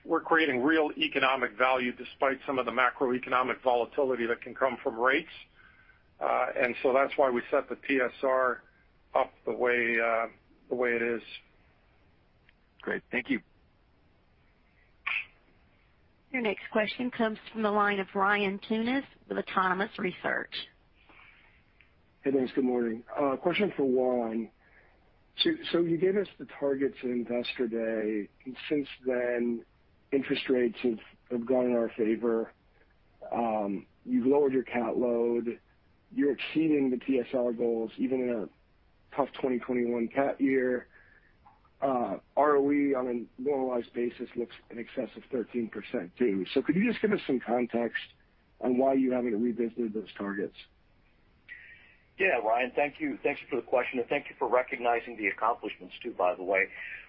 Speaker 4: We're creating real economic value despite some of the macroeconomic volatility that can come from rates, and so that's why we set the TSR up the way it is.
Speaker 9: Great. Thank you.
Speaker 1: Your next question comes from the line of Ryan Tunis with Autonomous Research.
Speaker 10: Hey, thanks. Good morning. Question for Juan. You gave us the targets at Investor Day. Since then, interest rates have gone in our favor. You've lowered your cat load. You're exceeding the TSR goals even in a tough 2021 cat year. ROE on a normalized basis looks in excess of 13% too. Could you just give us some context on why you haven't revisited those targets?
Speaker 3: Yeah, Ryan, thank you. Thank you for the question, and thank you for recognizing the accomplishments too, by the way.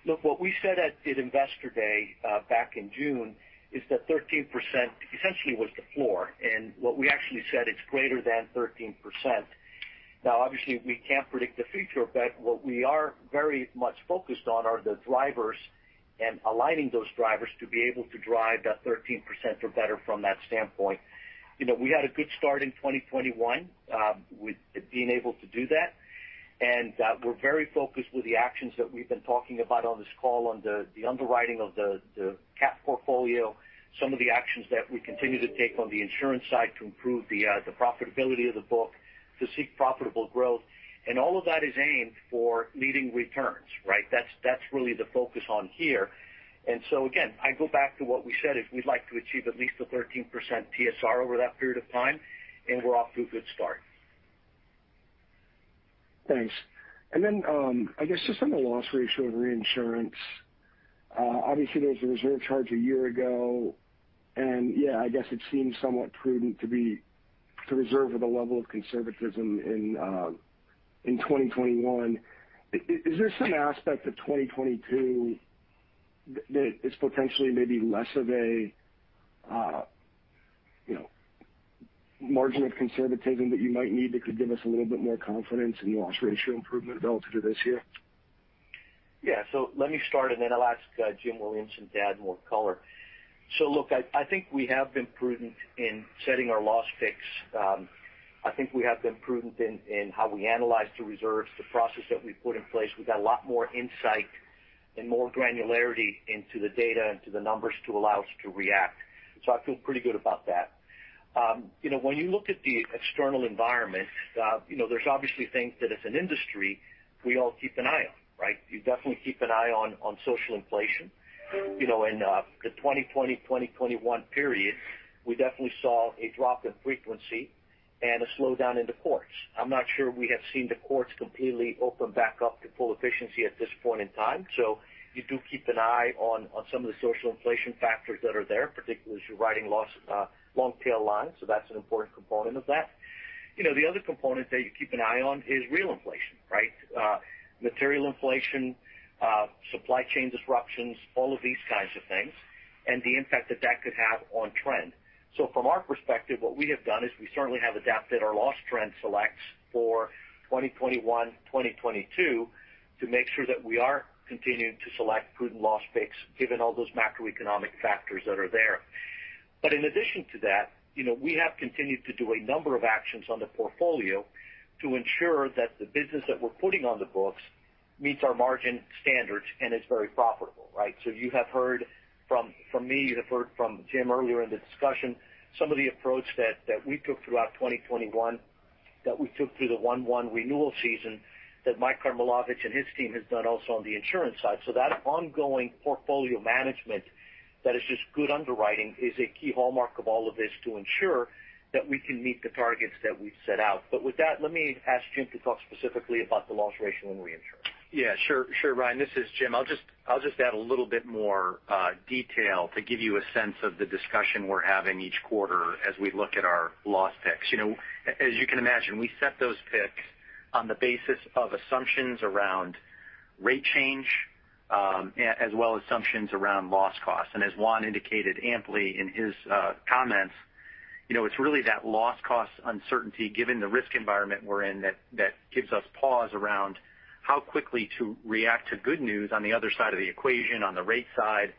Speaker 3: Look, what we said at Investor Day back in June is that 13% essentially was the floor, and what we actually said is greater than 13%. Now, obviously, we can't predict the future, but what we are very much focused on are the drivers and aligning those drivers to be able to drive that 13% or better from that standpoint. You know, we had a good start in 2021 with being able to do that, and we're very focused with the actions that we've been talking about on this call on the underwriting of the cat portfolio, some of the actions that we continue to take on the insurance side to improve the profitability of the book, to seek profitable growth. All of that is aimed for meeting returns, right? That's really the focus here. Again, I go back to what we said: we'd like to achieve at least a 13% TSR over that period of time, and we're off to a good start.
Speaker 10: Thanks. I guess just on the loss ratio of reinsurance, obviously, there was a reserve charge a year ago, and yeah, I guess it seems somewhat prudent to reserve with a level of conservatism in 2021. Is there some aspect of 2022 that is potentially maybe less of a margin of conservatism that you might need that could give us a little bit more confidence in the loss ratio improvement relative to this year?
Speaker 3: Yeah. Let me start, and then I'll ask Jim Williamson to add more color. Look, I think we have been prudent in setting our loss picks. I think we have been prudent in how we analyze the reserves, the process that we've put in place. We've got a lot more insight and more granularity into the data and to the numbers to allow us to react. I feel pretty good about that. You know, when you look at the external environment, you know, there's obviously things that as an industry we all keep an eye on, right? You definitely keep an eye on social inflation. You know, in the 2020-2021 period, we definitely saw a drop in frequency and a slowdown in the courts. I'm not sure we have seen the courts completely open back up to full efficiency at this point in time. You do keep an eye on some of the social inflation factors that are there, particularly as you're writing long-tail lines. That's an important component of that. You know, the other component that you keep an eye on is real inflation, right? Material inflation, supply chain disruptions, all of these kinds of things, and the impact that that could have on trend. From our perspective, what we have done is we certainly have adapted our loss trend selects for 2021, 2022 to make sure that we are continuing to select prudent loss picks given all those macroeconomic factors that are there. In addition to that, you know, we have continued to do a number of actions on the portfolio to ensure that the business that we're putting on the books meets our margin standards and is very profitable, right? You have heard from me you have heard from Jim earlier in the discussion some of the approach that we took throughout 2021, that we took through the 1/1 renewal season, that Mike Karmilowicz and his team has done also on the insurance side. That ongoing portfolio management that is just good underwriting is a key hallmark of all of this to ensure that we can meet the targets that we've set out. With that, let me ask Jim to talk specifically about the loss ratio in reinsurance.
Speaker 6: Yeah, sure. Sure, Ryan, this is Jim. I'll just add a little bit more detail to give you a sense of the discussion we're having each quarter as we look at our loss picks. You know, as you can imagine, we set those picks on the basis of assumptions around rate change, as well as assumptions around loss costs. As Juan indicated amply in his comments, you know, it's really that loss cost uncertainty given the risk environment we're in that gives us pause around how quickly to react to good news on the other side of the equation, on the rate side,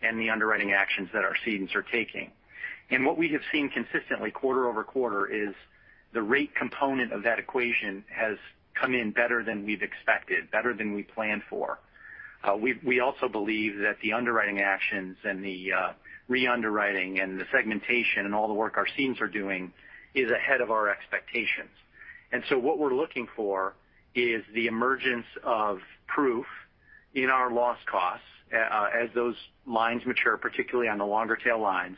Speaker 6: and the underwriting actions that our cedents are taking. What we have seen consistently quarter-over-quarter is the rate component of that equation has come in better than we've expected, better than we planned for. We also believe that the underwriting actions and the re-underwriting and the segmentation and all the work our cedes are doing is ahead of our expectations. What we're looking for is the emergence of proof in our loss costs as those lines mature, particularly on the longer tail lines,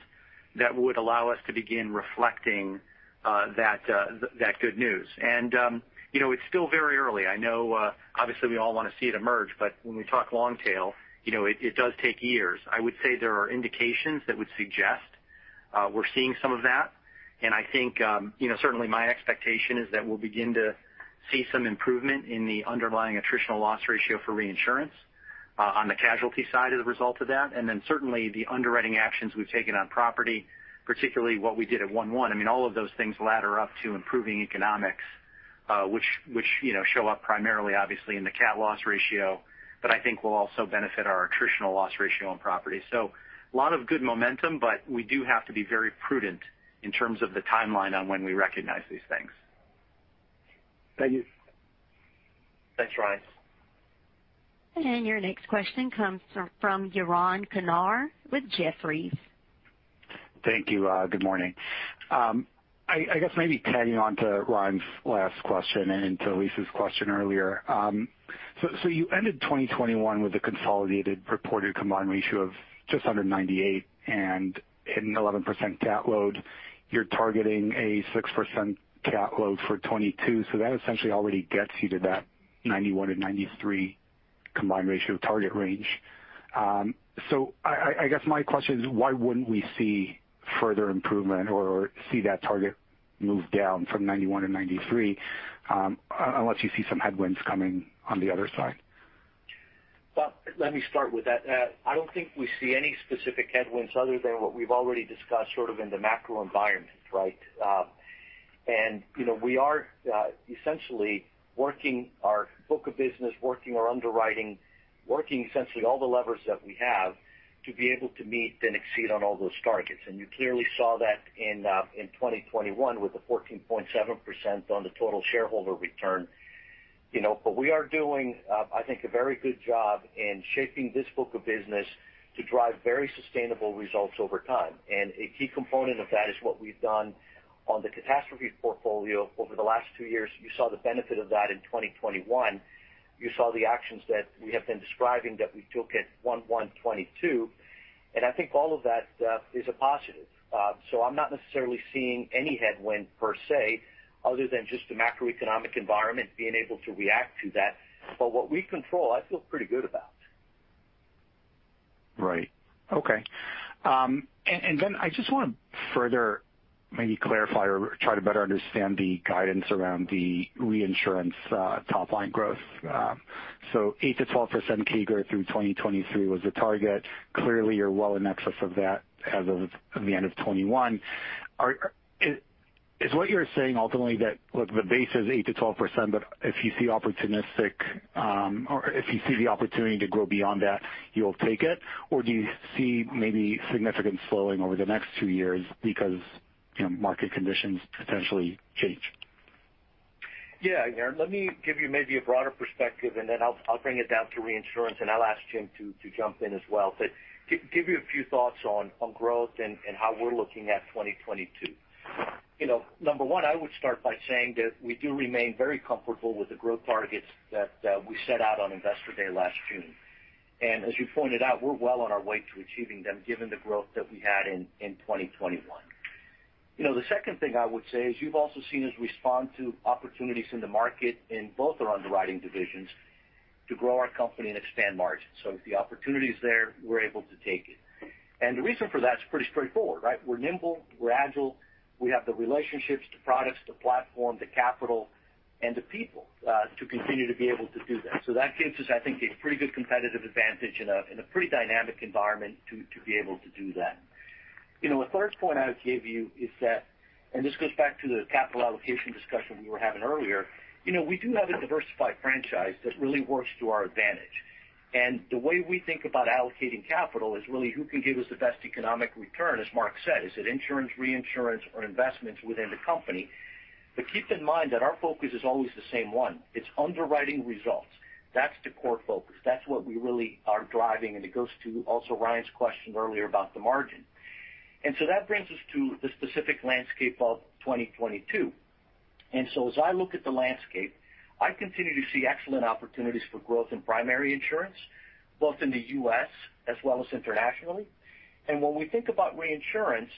Speaker 6: that would allow us to begin reflecting that good news. You know, it's still very early. I know, obviously, we all wanna see it emerge, but when we talk long tail, you know, it does take years. I would say there are indications that would suggest we're seeing some of that. I think, you know, certainly my expectation is that we'll begin to see some improvement in the underlying attritional loss ratio for reinsurance on the casualty side as a result of that. Certainly the underwriting actions we've taken on property, particularly what we did at one-one, I mean, all of those things ladder up to improving economics, which you know show up primarily obviously in the cat loss ratio, but I think will also benefit our attritional loss ratio on property. A lot of good momentum, but we do have to be very prudent in terms of the timeline on when we recognize these things.
Speaker 10: Thank you.
Speaker 3: Thanks, Ryan.
Speaker 1: Your next question comes from Yaron Kinar with Jefferies.
Speaker 11: Thank you. Good morning. I guess maybe tagging on to Ryan's last question and to Elyse's question earlier. So you ended 2021 with a consolidated reported combined ratio of just under 98 and an 11% cat load. You're targeting a 6% cat load for 2022, so that essentially already gets you to that 91%-93% combined ratio target range. So I guess my question is, why wouldn't we see further improvement or see that target move down from 91%-93%, unless you see some headwinds coming on the other side?
Speaker 3: Well, let me start with that. I don't think we see any specific headwinds other than what we've already discussed sort of in the macro environment, right? You know, we are essentially working our book of business, working our underwriting, working essentially all the levers that we have to be able to meet then exceed on all those targets. You clearly saw that in 2021 with a 14.7% on the total shareholder return. You know, I think we are doing a very good job in shaping this book of business to drive very sustainable results over time. A key component of that is what we've done on the catastrophe portfolio over the last two years. You saw the benefit of that in 2021. You saw the actions that we have been describing that we took at 1/1/2022, and I think all of that is a positive. I'm not necessarily seeing any headwind per se, other than just the macroeconomic environment being able to react to that. What we control, I feel pretty good about.
Speaker 11: Right. Okay. And then I just wanna further maybe clarify or try to better understand the guidance around the reinsurance top line growth. So 8%-12% CAGR through 2023 was the target. Clearly, you're well in excess of that as of the end of 2021. Is what you're saying ultimately that, look, the base is 8%-12%, but if you see opportunistic or if you see the opportunity to grow beyond that, you'll take it? Or do you see maybe significant slowing over the next two years because, you know, market conditions potentially change?
Speaker 3: Yaron. Let me give you maybe a broader perspective, and then I'll bring it down to reinsurance, and I'll ask Jim to jump in as well. Give you a few thoughts on growth and how we're looking at 2022. You know, number one, I would start by saying that we do remain very comfortable with the growth targets that we set out on Investor Day last June. As you pointed out, we're well on our way to achieving them given the growth that we had in 2021. You know, the second thing I would say is you've also seen us respond to opportunities in the market in both our underwriting divisions to grow our company and expand margins. If the opportunity is there, we're able to take it. The reason for that is pretty straightforward, right? We're nimble, we're agile, we have the relationships, the products, the platform, the capital, and the people to continue to be able to do that. So that gives us, I think, a pretty good competitive advantage in a pretty dynamic environment to be able to do that. You know, a third point I would give you is that, and this goes back to the capital allocation discussion we were having earlier, you know, we do have a diversified franchise that really works to our advantage. The way we think about allocating capital is really who can give us the best economic return, as Mark said. Is it insurance, reinsurance, or investments within the company? Keep in mind that our focus is always the same one. It's underwriting results. That's the core focus. That's what we really are driving, and it goes to also Ryan's question earlier about the margin. That brings us to the specific landscape of 2022. As I look at the landscape, I continue to see excellent opportunities for growth in primary insurance, both in the U.S. as well as internationally. When we think about reinsurance,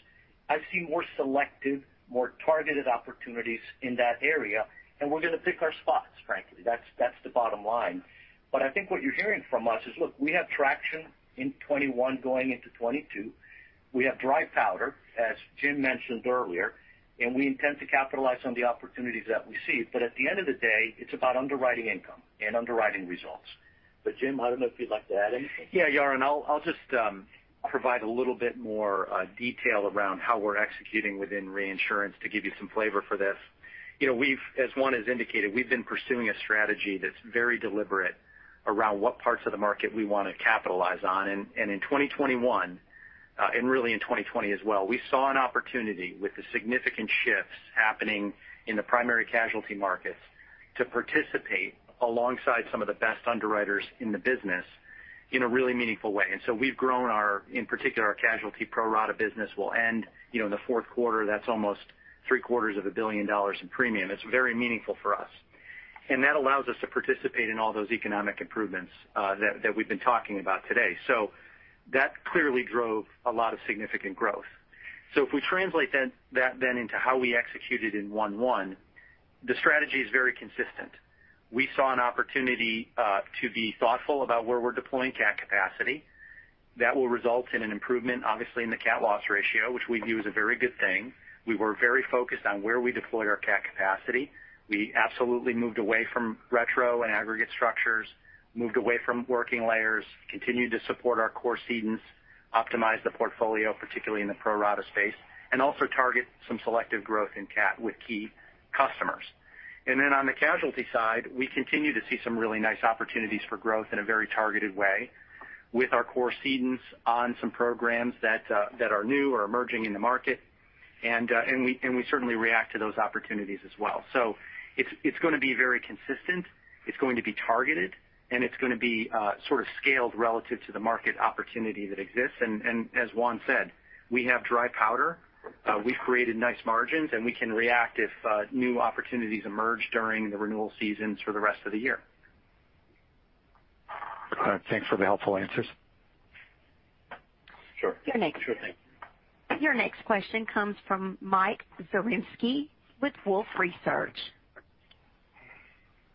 Speaker 3: I see more selective, more targeted opportunities in that area, and we're gonna pick our spots, frankly. That's the bottom line. I think what you're hearing from us is, look, we have traction in 2021 going into 2022. We have dry powder, as Jim mentioned earlier, and we intend to capitalize on the opportunities that we see. At the end of the day, it's about underwriting income and underwriting results. Jim, I don't know if you'd like to add anything.
Speaker 6: Yaron, I'll just provide a little bit more detail around how we're executing within reinsurance to give you some flavor for this. You know, we've, as Juan has indicated, we've been pursuing a strategy that's very deliberate around what parts of the market we wanna capitalize on. In 2021 and really in 2020 as well, we saw an opportunity with the significant shifts happening in the primary casualty markets to participate alongside some of the best underwriters in the business in a really meaningful way. We've grown our, in particular, our casualty pro rata business. We'll end, you know, in the fourth quarter. That's almost three-quarters of a billion dollars in premium. It's very meaningful for us. That allows us to participate in all those economic improvements that we've been talking about today. That clearly drove a lot of significant growth. If we translate that into how we executed in Q1, the strategy is very consistent. We saw an opportunity to be thoughtful about where we're deploying cat capacity. That will result in an improvement, obviously, in the cat loss ratio, which we view as a very good thing. We were very focused on where we deployed our cat capacity. We absolutely moved away from retro and aggregate structures, moved away from working layers, continued to support our core cedents, optimized the portfolio, particularly in the pro rata space; and also target some selective growth in cat with key customers. On the casualty side, we continue to see some really nice opportunities for growth in a very targeted way with our core cedents on some programs that are new or emerging in the market. We certainly react to those opportunities as well. It's gonna be very consistent, it's going to be targeted, and it's gonna be sort of scaled relative to the market opportunity that exists. As Juan said, we have dry powder, we've created nice margins, and we can react if new opportunities emerge during the renewal seasons for the rest of the year.
Speaker 11: Thanks for the helpful answers.
Speaker 3: Sure. Sure thing.
Speaker 1: Your next question comes from Mike Zaremski with Wolfe Research.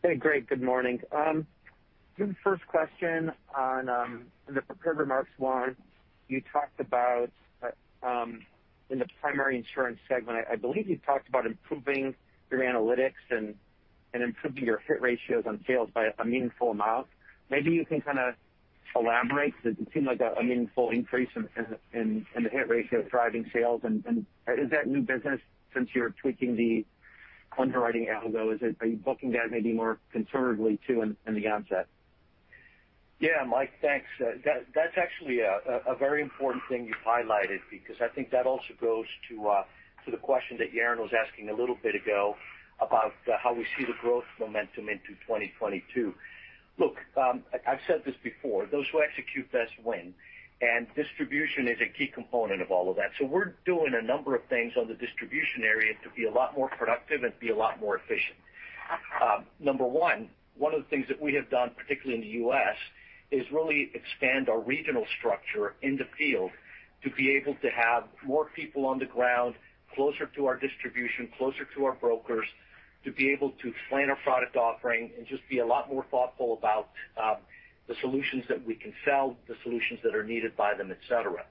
Speaker 12: Hey, great, good morning. My first question on in the prepared remarks, Juan, you talked about in the primary insurance segment. I believe you talked about improving your analytics and improving your hit ratios on sales by a meaningful amount. Maybe you can kind of elaborate because it seemed like a meaningful increase in the hit ratio driving sales. Is that new business since you're tweaking the underwriting algo? Are you booking that maybe more conservatively too in the onset?
Speaker 3: Yeah, Mike, thanks. That's actually a very important thing you've highlighted because I think that also goes to the question that Yaron was asking a little bit ago about how we see the growth momentum into 2022. Look, I've said this before, those who execute best win, and distribution is a key component of all of that. We're doing a number of things on the distribution area to be a lot more productive and be a lot more efficient. Number one of the things that we have done, particularly in the U.S., is really expand our regional structure in the field to be able to have more people on the ground closer to our distribution, closer to our brokers, to be able to plan our product offering and just be a lot more thoughtful about the solutions that we can sell, the solutions that are needed by them, et cetera.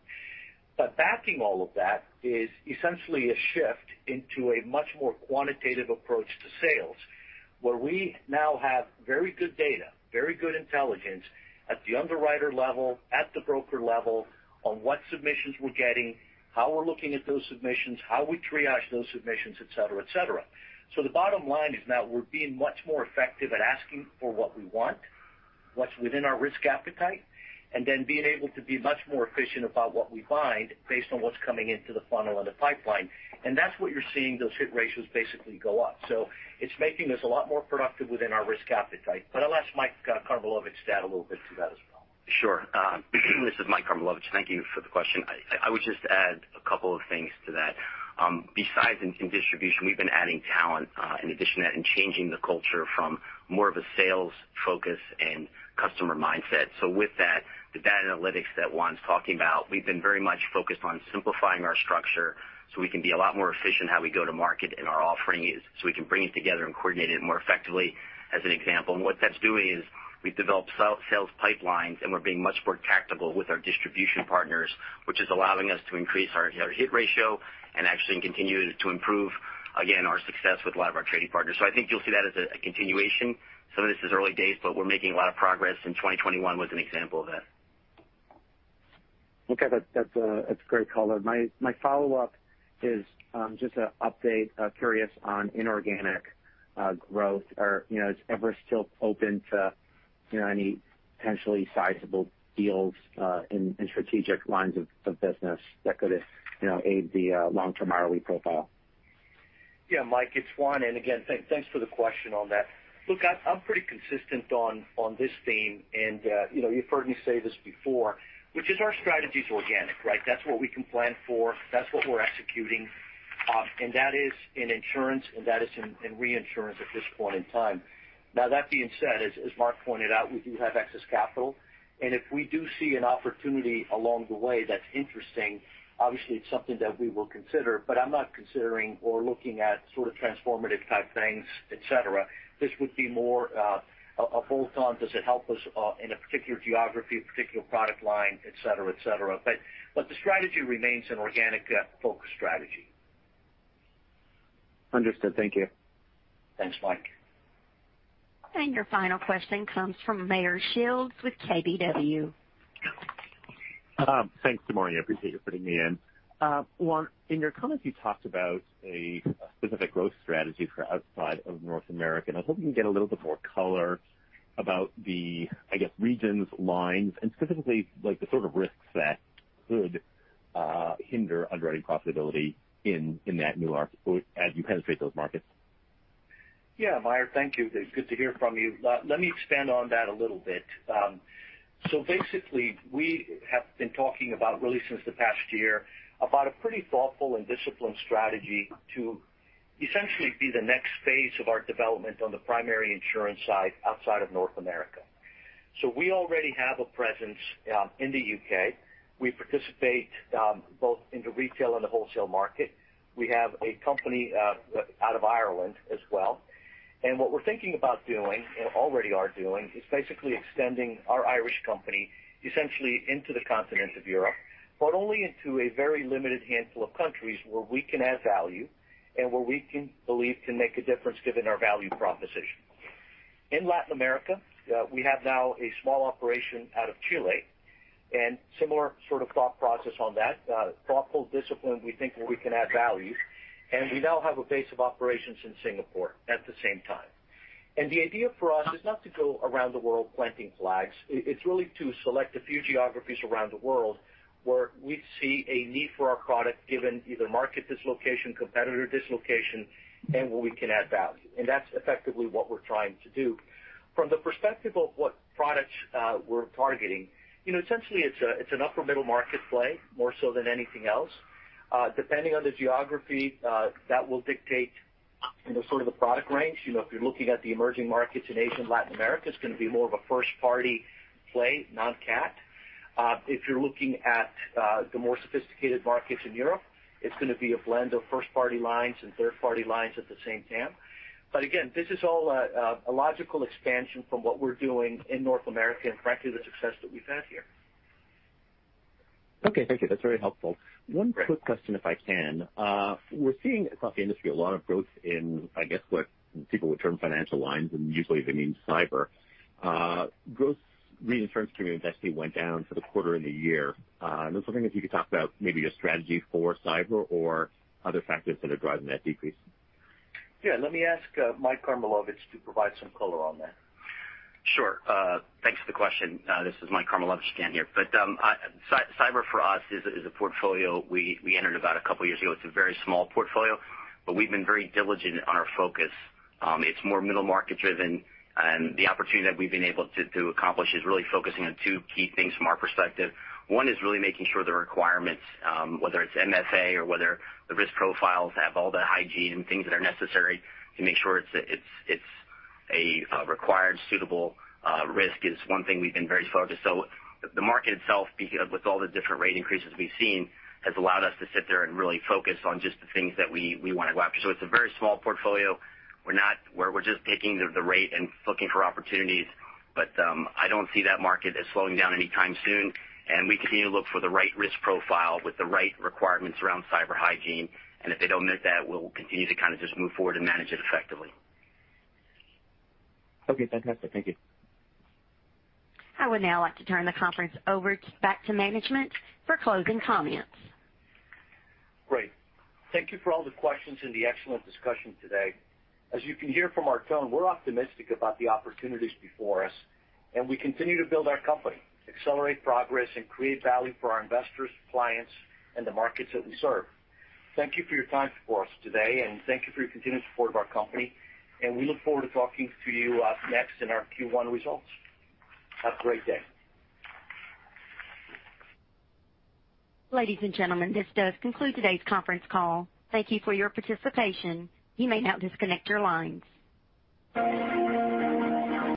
Speaker 3: Backing all of that is essentially a shift into a much more quantitative approach to sales, where we now have very good data, very good intelligence at the underwriter level, at the broker level on what submissions we're getting, how we're looking at those submissions, how we triage those submissions, et cetera. The bottom line is now we're being much more effective at asking for what we want, what's within our risk appetite and then being able to be much more efficient about what we bind based on what's coming into the funnel and the pipeline, and that's what you're seeing those hit ratios basically go up. It's making us a lot more productive within our risk appetite. I'll ask Mike Karmilowicz to add a little bit to that as well.
Speaker 13: Sure. This is Mike Karmilowicz. Thank you for the question. I would just add a couple of things to that. Besides in distribution, we've been adding talent, in addition to that and changing the culture from more of a sales focus and customer mindset. With that, the data analytics that Juan's talking about, we've been very much focused on simplifying our structure so we can be a lot more efficient how we go to market and our offering is so we can bring it together and coordinate it more effectively as an example. What that's doing is we've developed sales pipelines, and we're being much more tactical with our distribution partners, which is allowing us to increase our hit ratio and actually continue to improve, again, our success with a lot of our trading partners. I think you'll see that as a continuation. Some of this is early days, but we're making a lot of progress, and 2021 was an example of that.
Speaker 12: Okay. That's a great color. My follow-up is just an update. Curious on inorganic growth or, you know, is Everest still open to, you know, any potentially sizable deals in strategic lines of business that could, you know, aid the long-term ROE profile?
Speaker 3: Yeah, Mike, it's Juan. Again, thanks for the question on that. Look, I'm pretty consistent on this theme, and you know, you've heard me say this before: our strategy's organic, right? That's what we can plan for, that's what we're executing, and that is in insurance, and that is in reinsurance at this point in time. Now, that being said, as Mark pointed out, we do have excess capital, and if we do see an opportunity along the way that's interesting, obviously it's something that we will consider. I'm not considering or looking at sort of transformative-type things, et cetera. This would be more a bolt on. Does it help us in a particular geography, particular product line, et cetera, et cetera? The strategy remains an organic focus strategy.
Speaker 12: Understood. Thank you.
Speaker 3: Thanks, Mike.
Speaker 1: Your final question comes from Meyer Shields with KBW.
Speaker 14: Thanks. Good morning. I appreciate you putting me in. Juan, in your comments, you talked about a specific growth strategy for outside of North America, and I was hoping you can get a little bit more color about the, I guess, regions, lines, and specifically, like, the sort of risks that could hinder underwriting profitability in that new area as you penetrate those markets.
Speaker 3: Yeah, Meyer, thank you. Good to hear from you. Let me expand on that a little bit. So basically, we have been talking about really since the past year about a pretty thoughtful and disciplined strategy to essentially be the next phase of our development on the primary insurance side outside of North America. We already have a presence in the U.K. We participate both in the retail and the wholesale market. We have a company out of Ireland as well. What we're thinking about doing, and already are doing, is basically extending our Irish company essentially into the continent of Europe, but only into a very limited handful of countries where we can add value and where we can believe can make a difference given our value proposition. In Latin America, we have now a small operation out of Chile, and similar sort of thought process on that. Thoughtful discipline, we think where we can add value. We now have a base of operations in Singapore at the same time. The idea for us is not to go around the world planting flags. It's really to select a few geographies around the world where we see a need for our product, given either market dislocation, competitor dislocation, and where we can add value. That's effectively what we're trying to do. From the perspective of what products we're targeting, you know, essentially it's an upper middle market play more so than anything else. Depending on the geography, that will dictate, you know, sort of the product range. You know, if you're looking at the emerging markets in Asia and Latin America, it's gonna be more of a first-party play, non-cat. If you're looking at the more sophisticated markets in Europe, it's gonna be a blend of first-party lines and third-party lines at the same time. Again, this is all a logical expansion from what we're doing in North America and, frankly, the success that we've had here.
Speaker 14: Okay, thank you. That's very helpful. One quick question, if I can. We're seeing across the industry a lot of growth in, I guess, what people would term financial lines, and usually they mean cyber. Gross reinsurance premiums actually went down for the quarter and the year. I don't know if there's something that you could talk about maybe your strategy for cyber or other factors that are driving that decrease.
Speaker 3: Yeah. Let me ask Mike Karmilowicz to provide some color on that.
Speaker 13: Sure. Thanks for the question. This is Mike Karmilowicz again here. "Cyber" for us is a portfolio we entered about a couple years ago. It's a very small portfolio, but we've been very diligent on our focus. It's more middle-market driven, and the opportunity that we've been able to accomplish is really focusing on two key things from our perspective. Juan is really making sure the requirements, whether it's MSA or whether the risk profiles have all the hygiene and things that are necessary to make sure it's a required suitable risk, is one thing we've been very focused. The market itself, with all the different rate increases we've seen, has allowed us to sit there and really focus on just the things that we wanna go after. It's a very small portfolio. We're just picking the rate and looking for opportunities. I don't see that market as slowing down anytime soon, and we continue to look for the right risk profile with the right requirements around cyber hygiene, and if they don't meet that, we'll continue to kind of just move forward and manage it effectively.
Speaker 14: Okay, fantastic. Thank you.
Speaker 1: I would now like to turn the conference over to management for closing comments.
Speaker 3: Great. Thank you for all the questions and the excellent discussion today. As you can hear from our tone, we're optimistic about the opportunities before us, and we continue to build our company, accelerate progress, and create value for our investors, clients, and the markets that we serve. Thank you for your time for us today, and thank you for your continued support of our company, and we look forward to talking to you next in our Q1 results. Have a great day.
Speaker 1: Ladies and gentlemen, this does conclude today's conference call. Thank you for your participation. You may now disconnect your lines.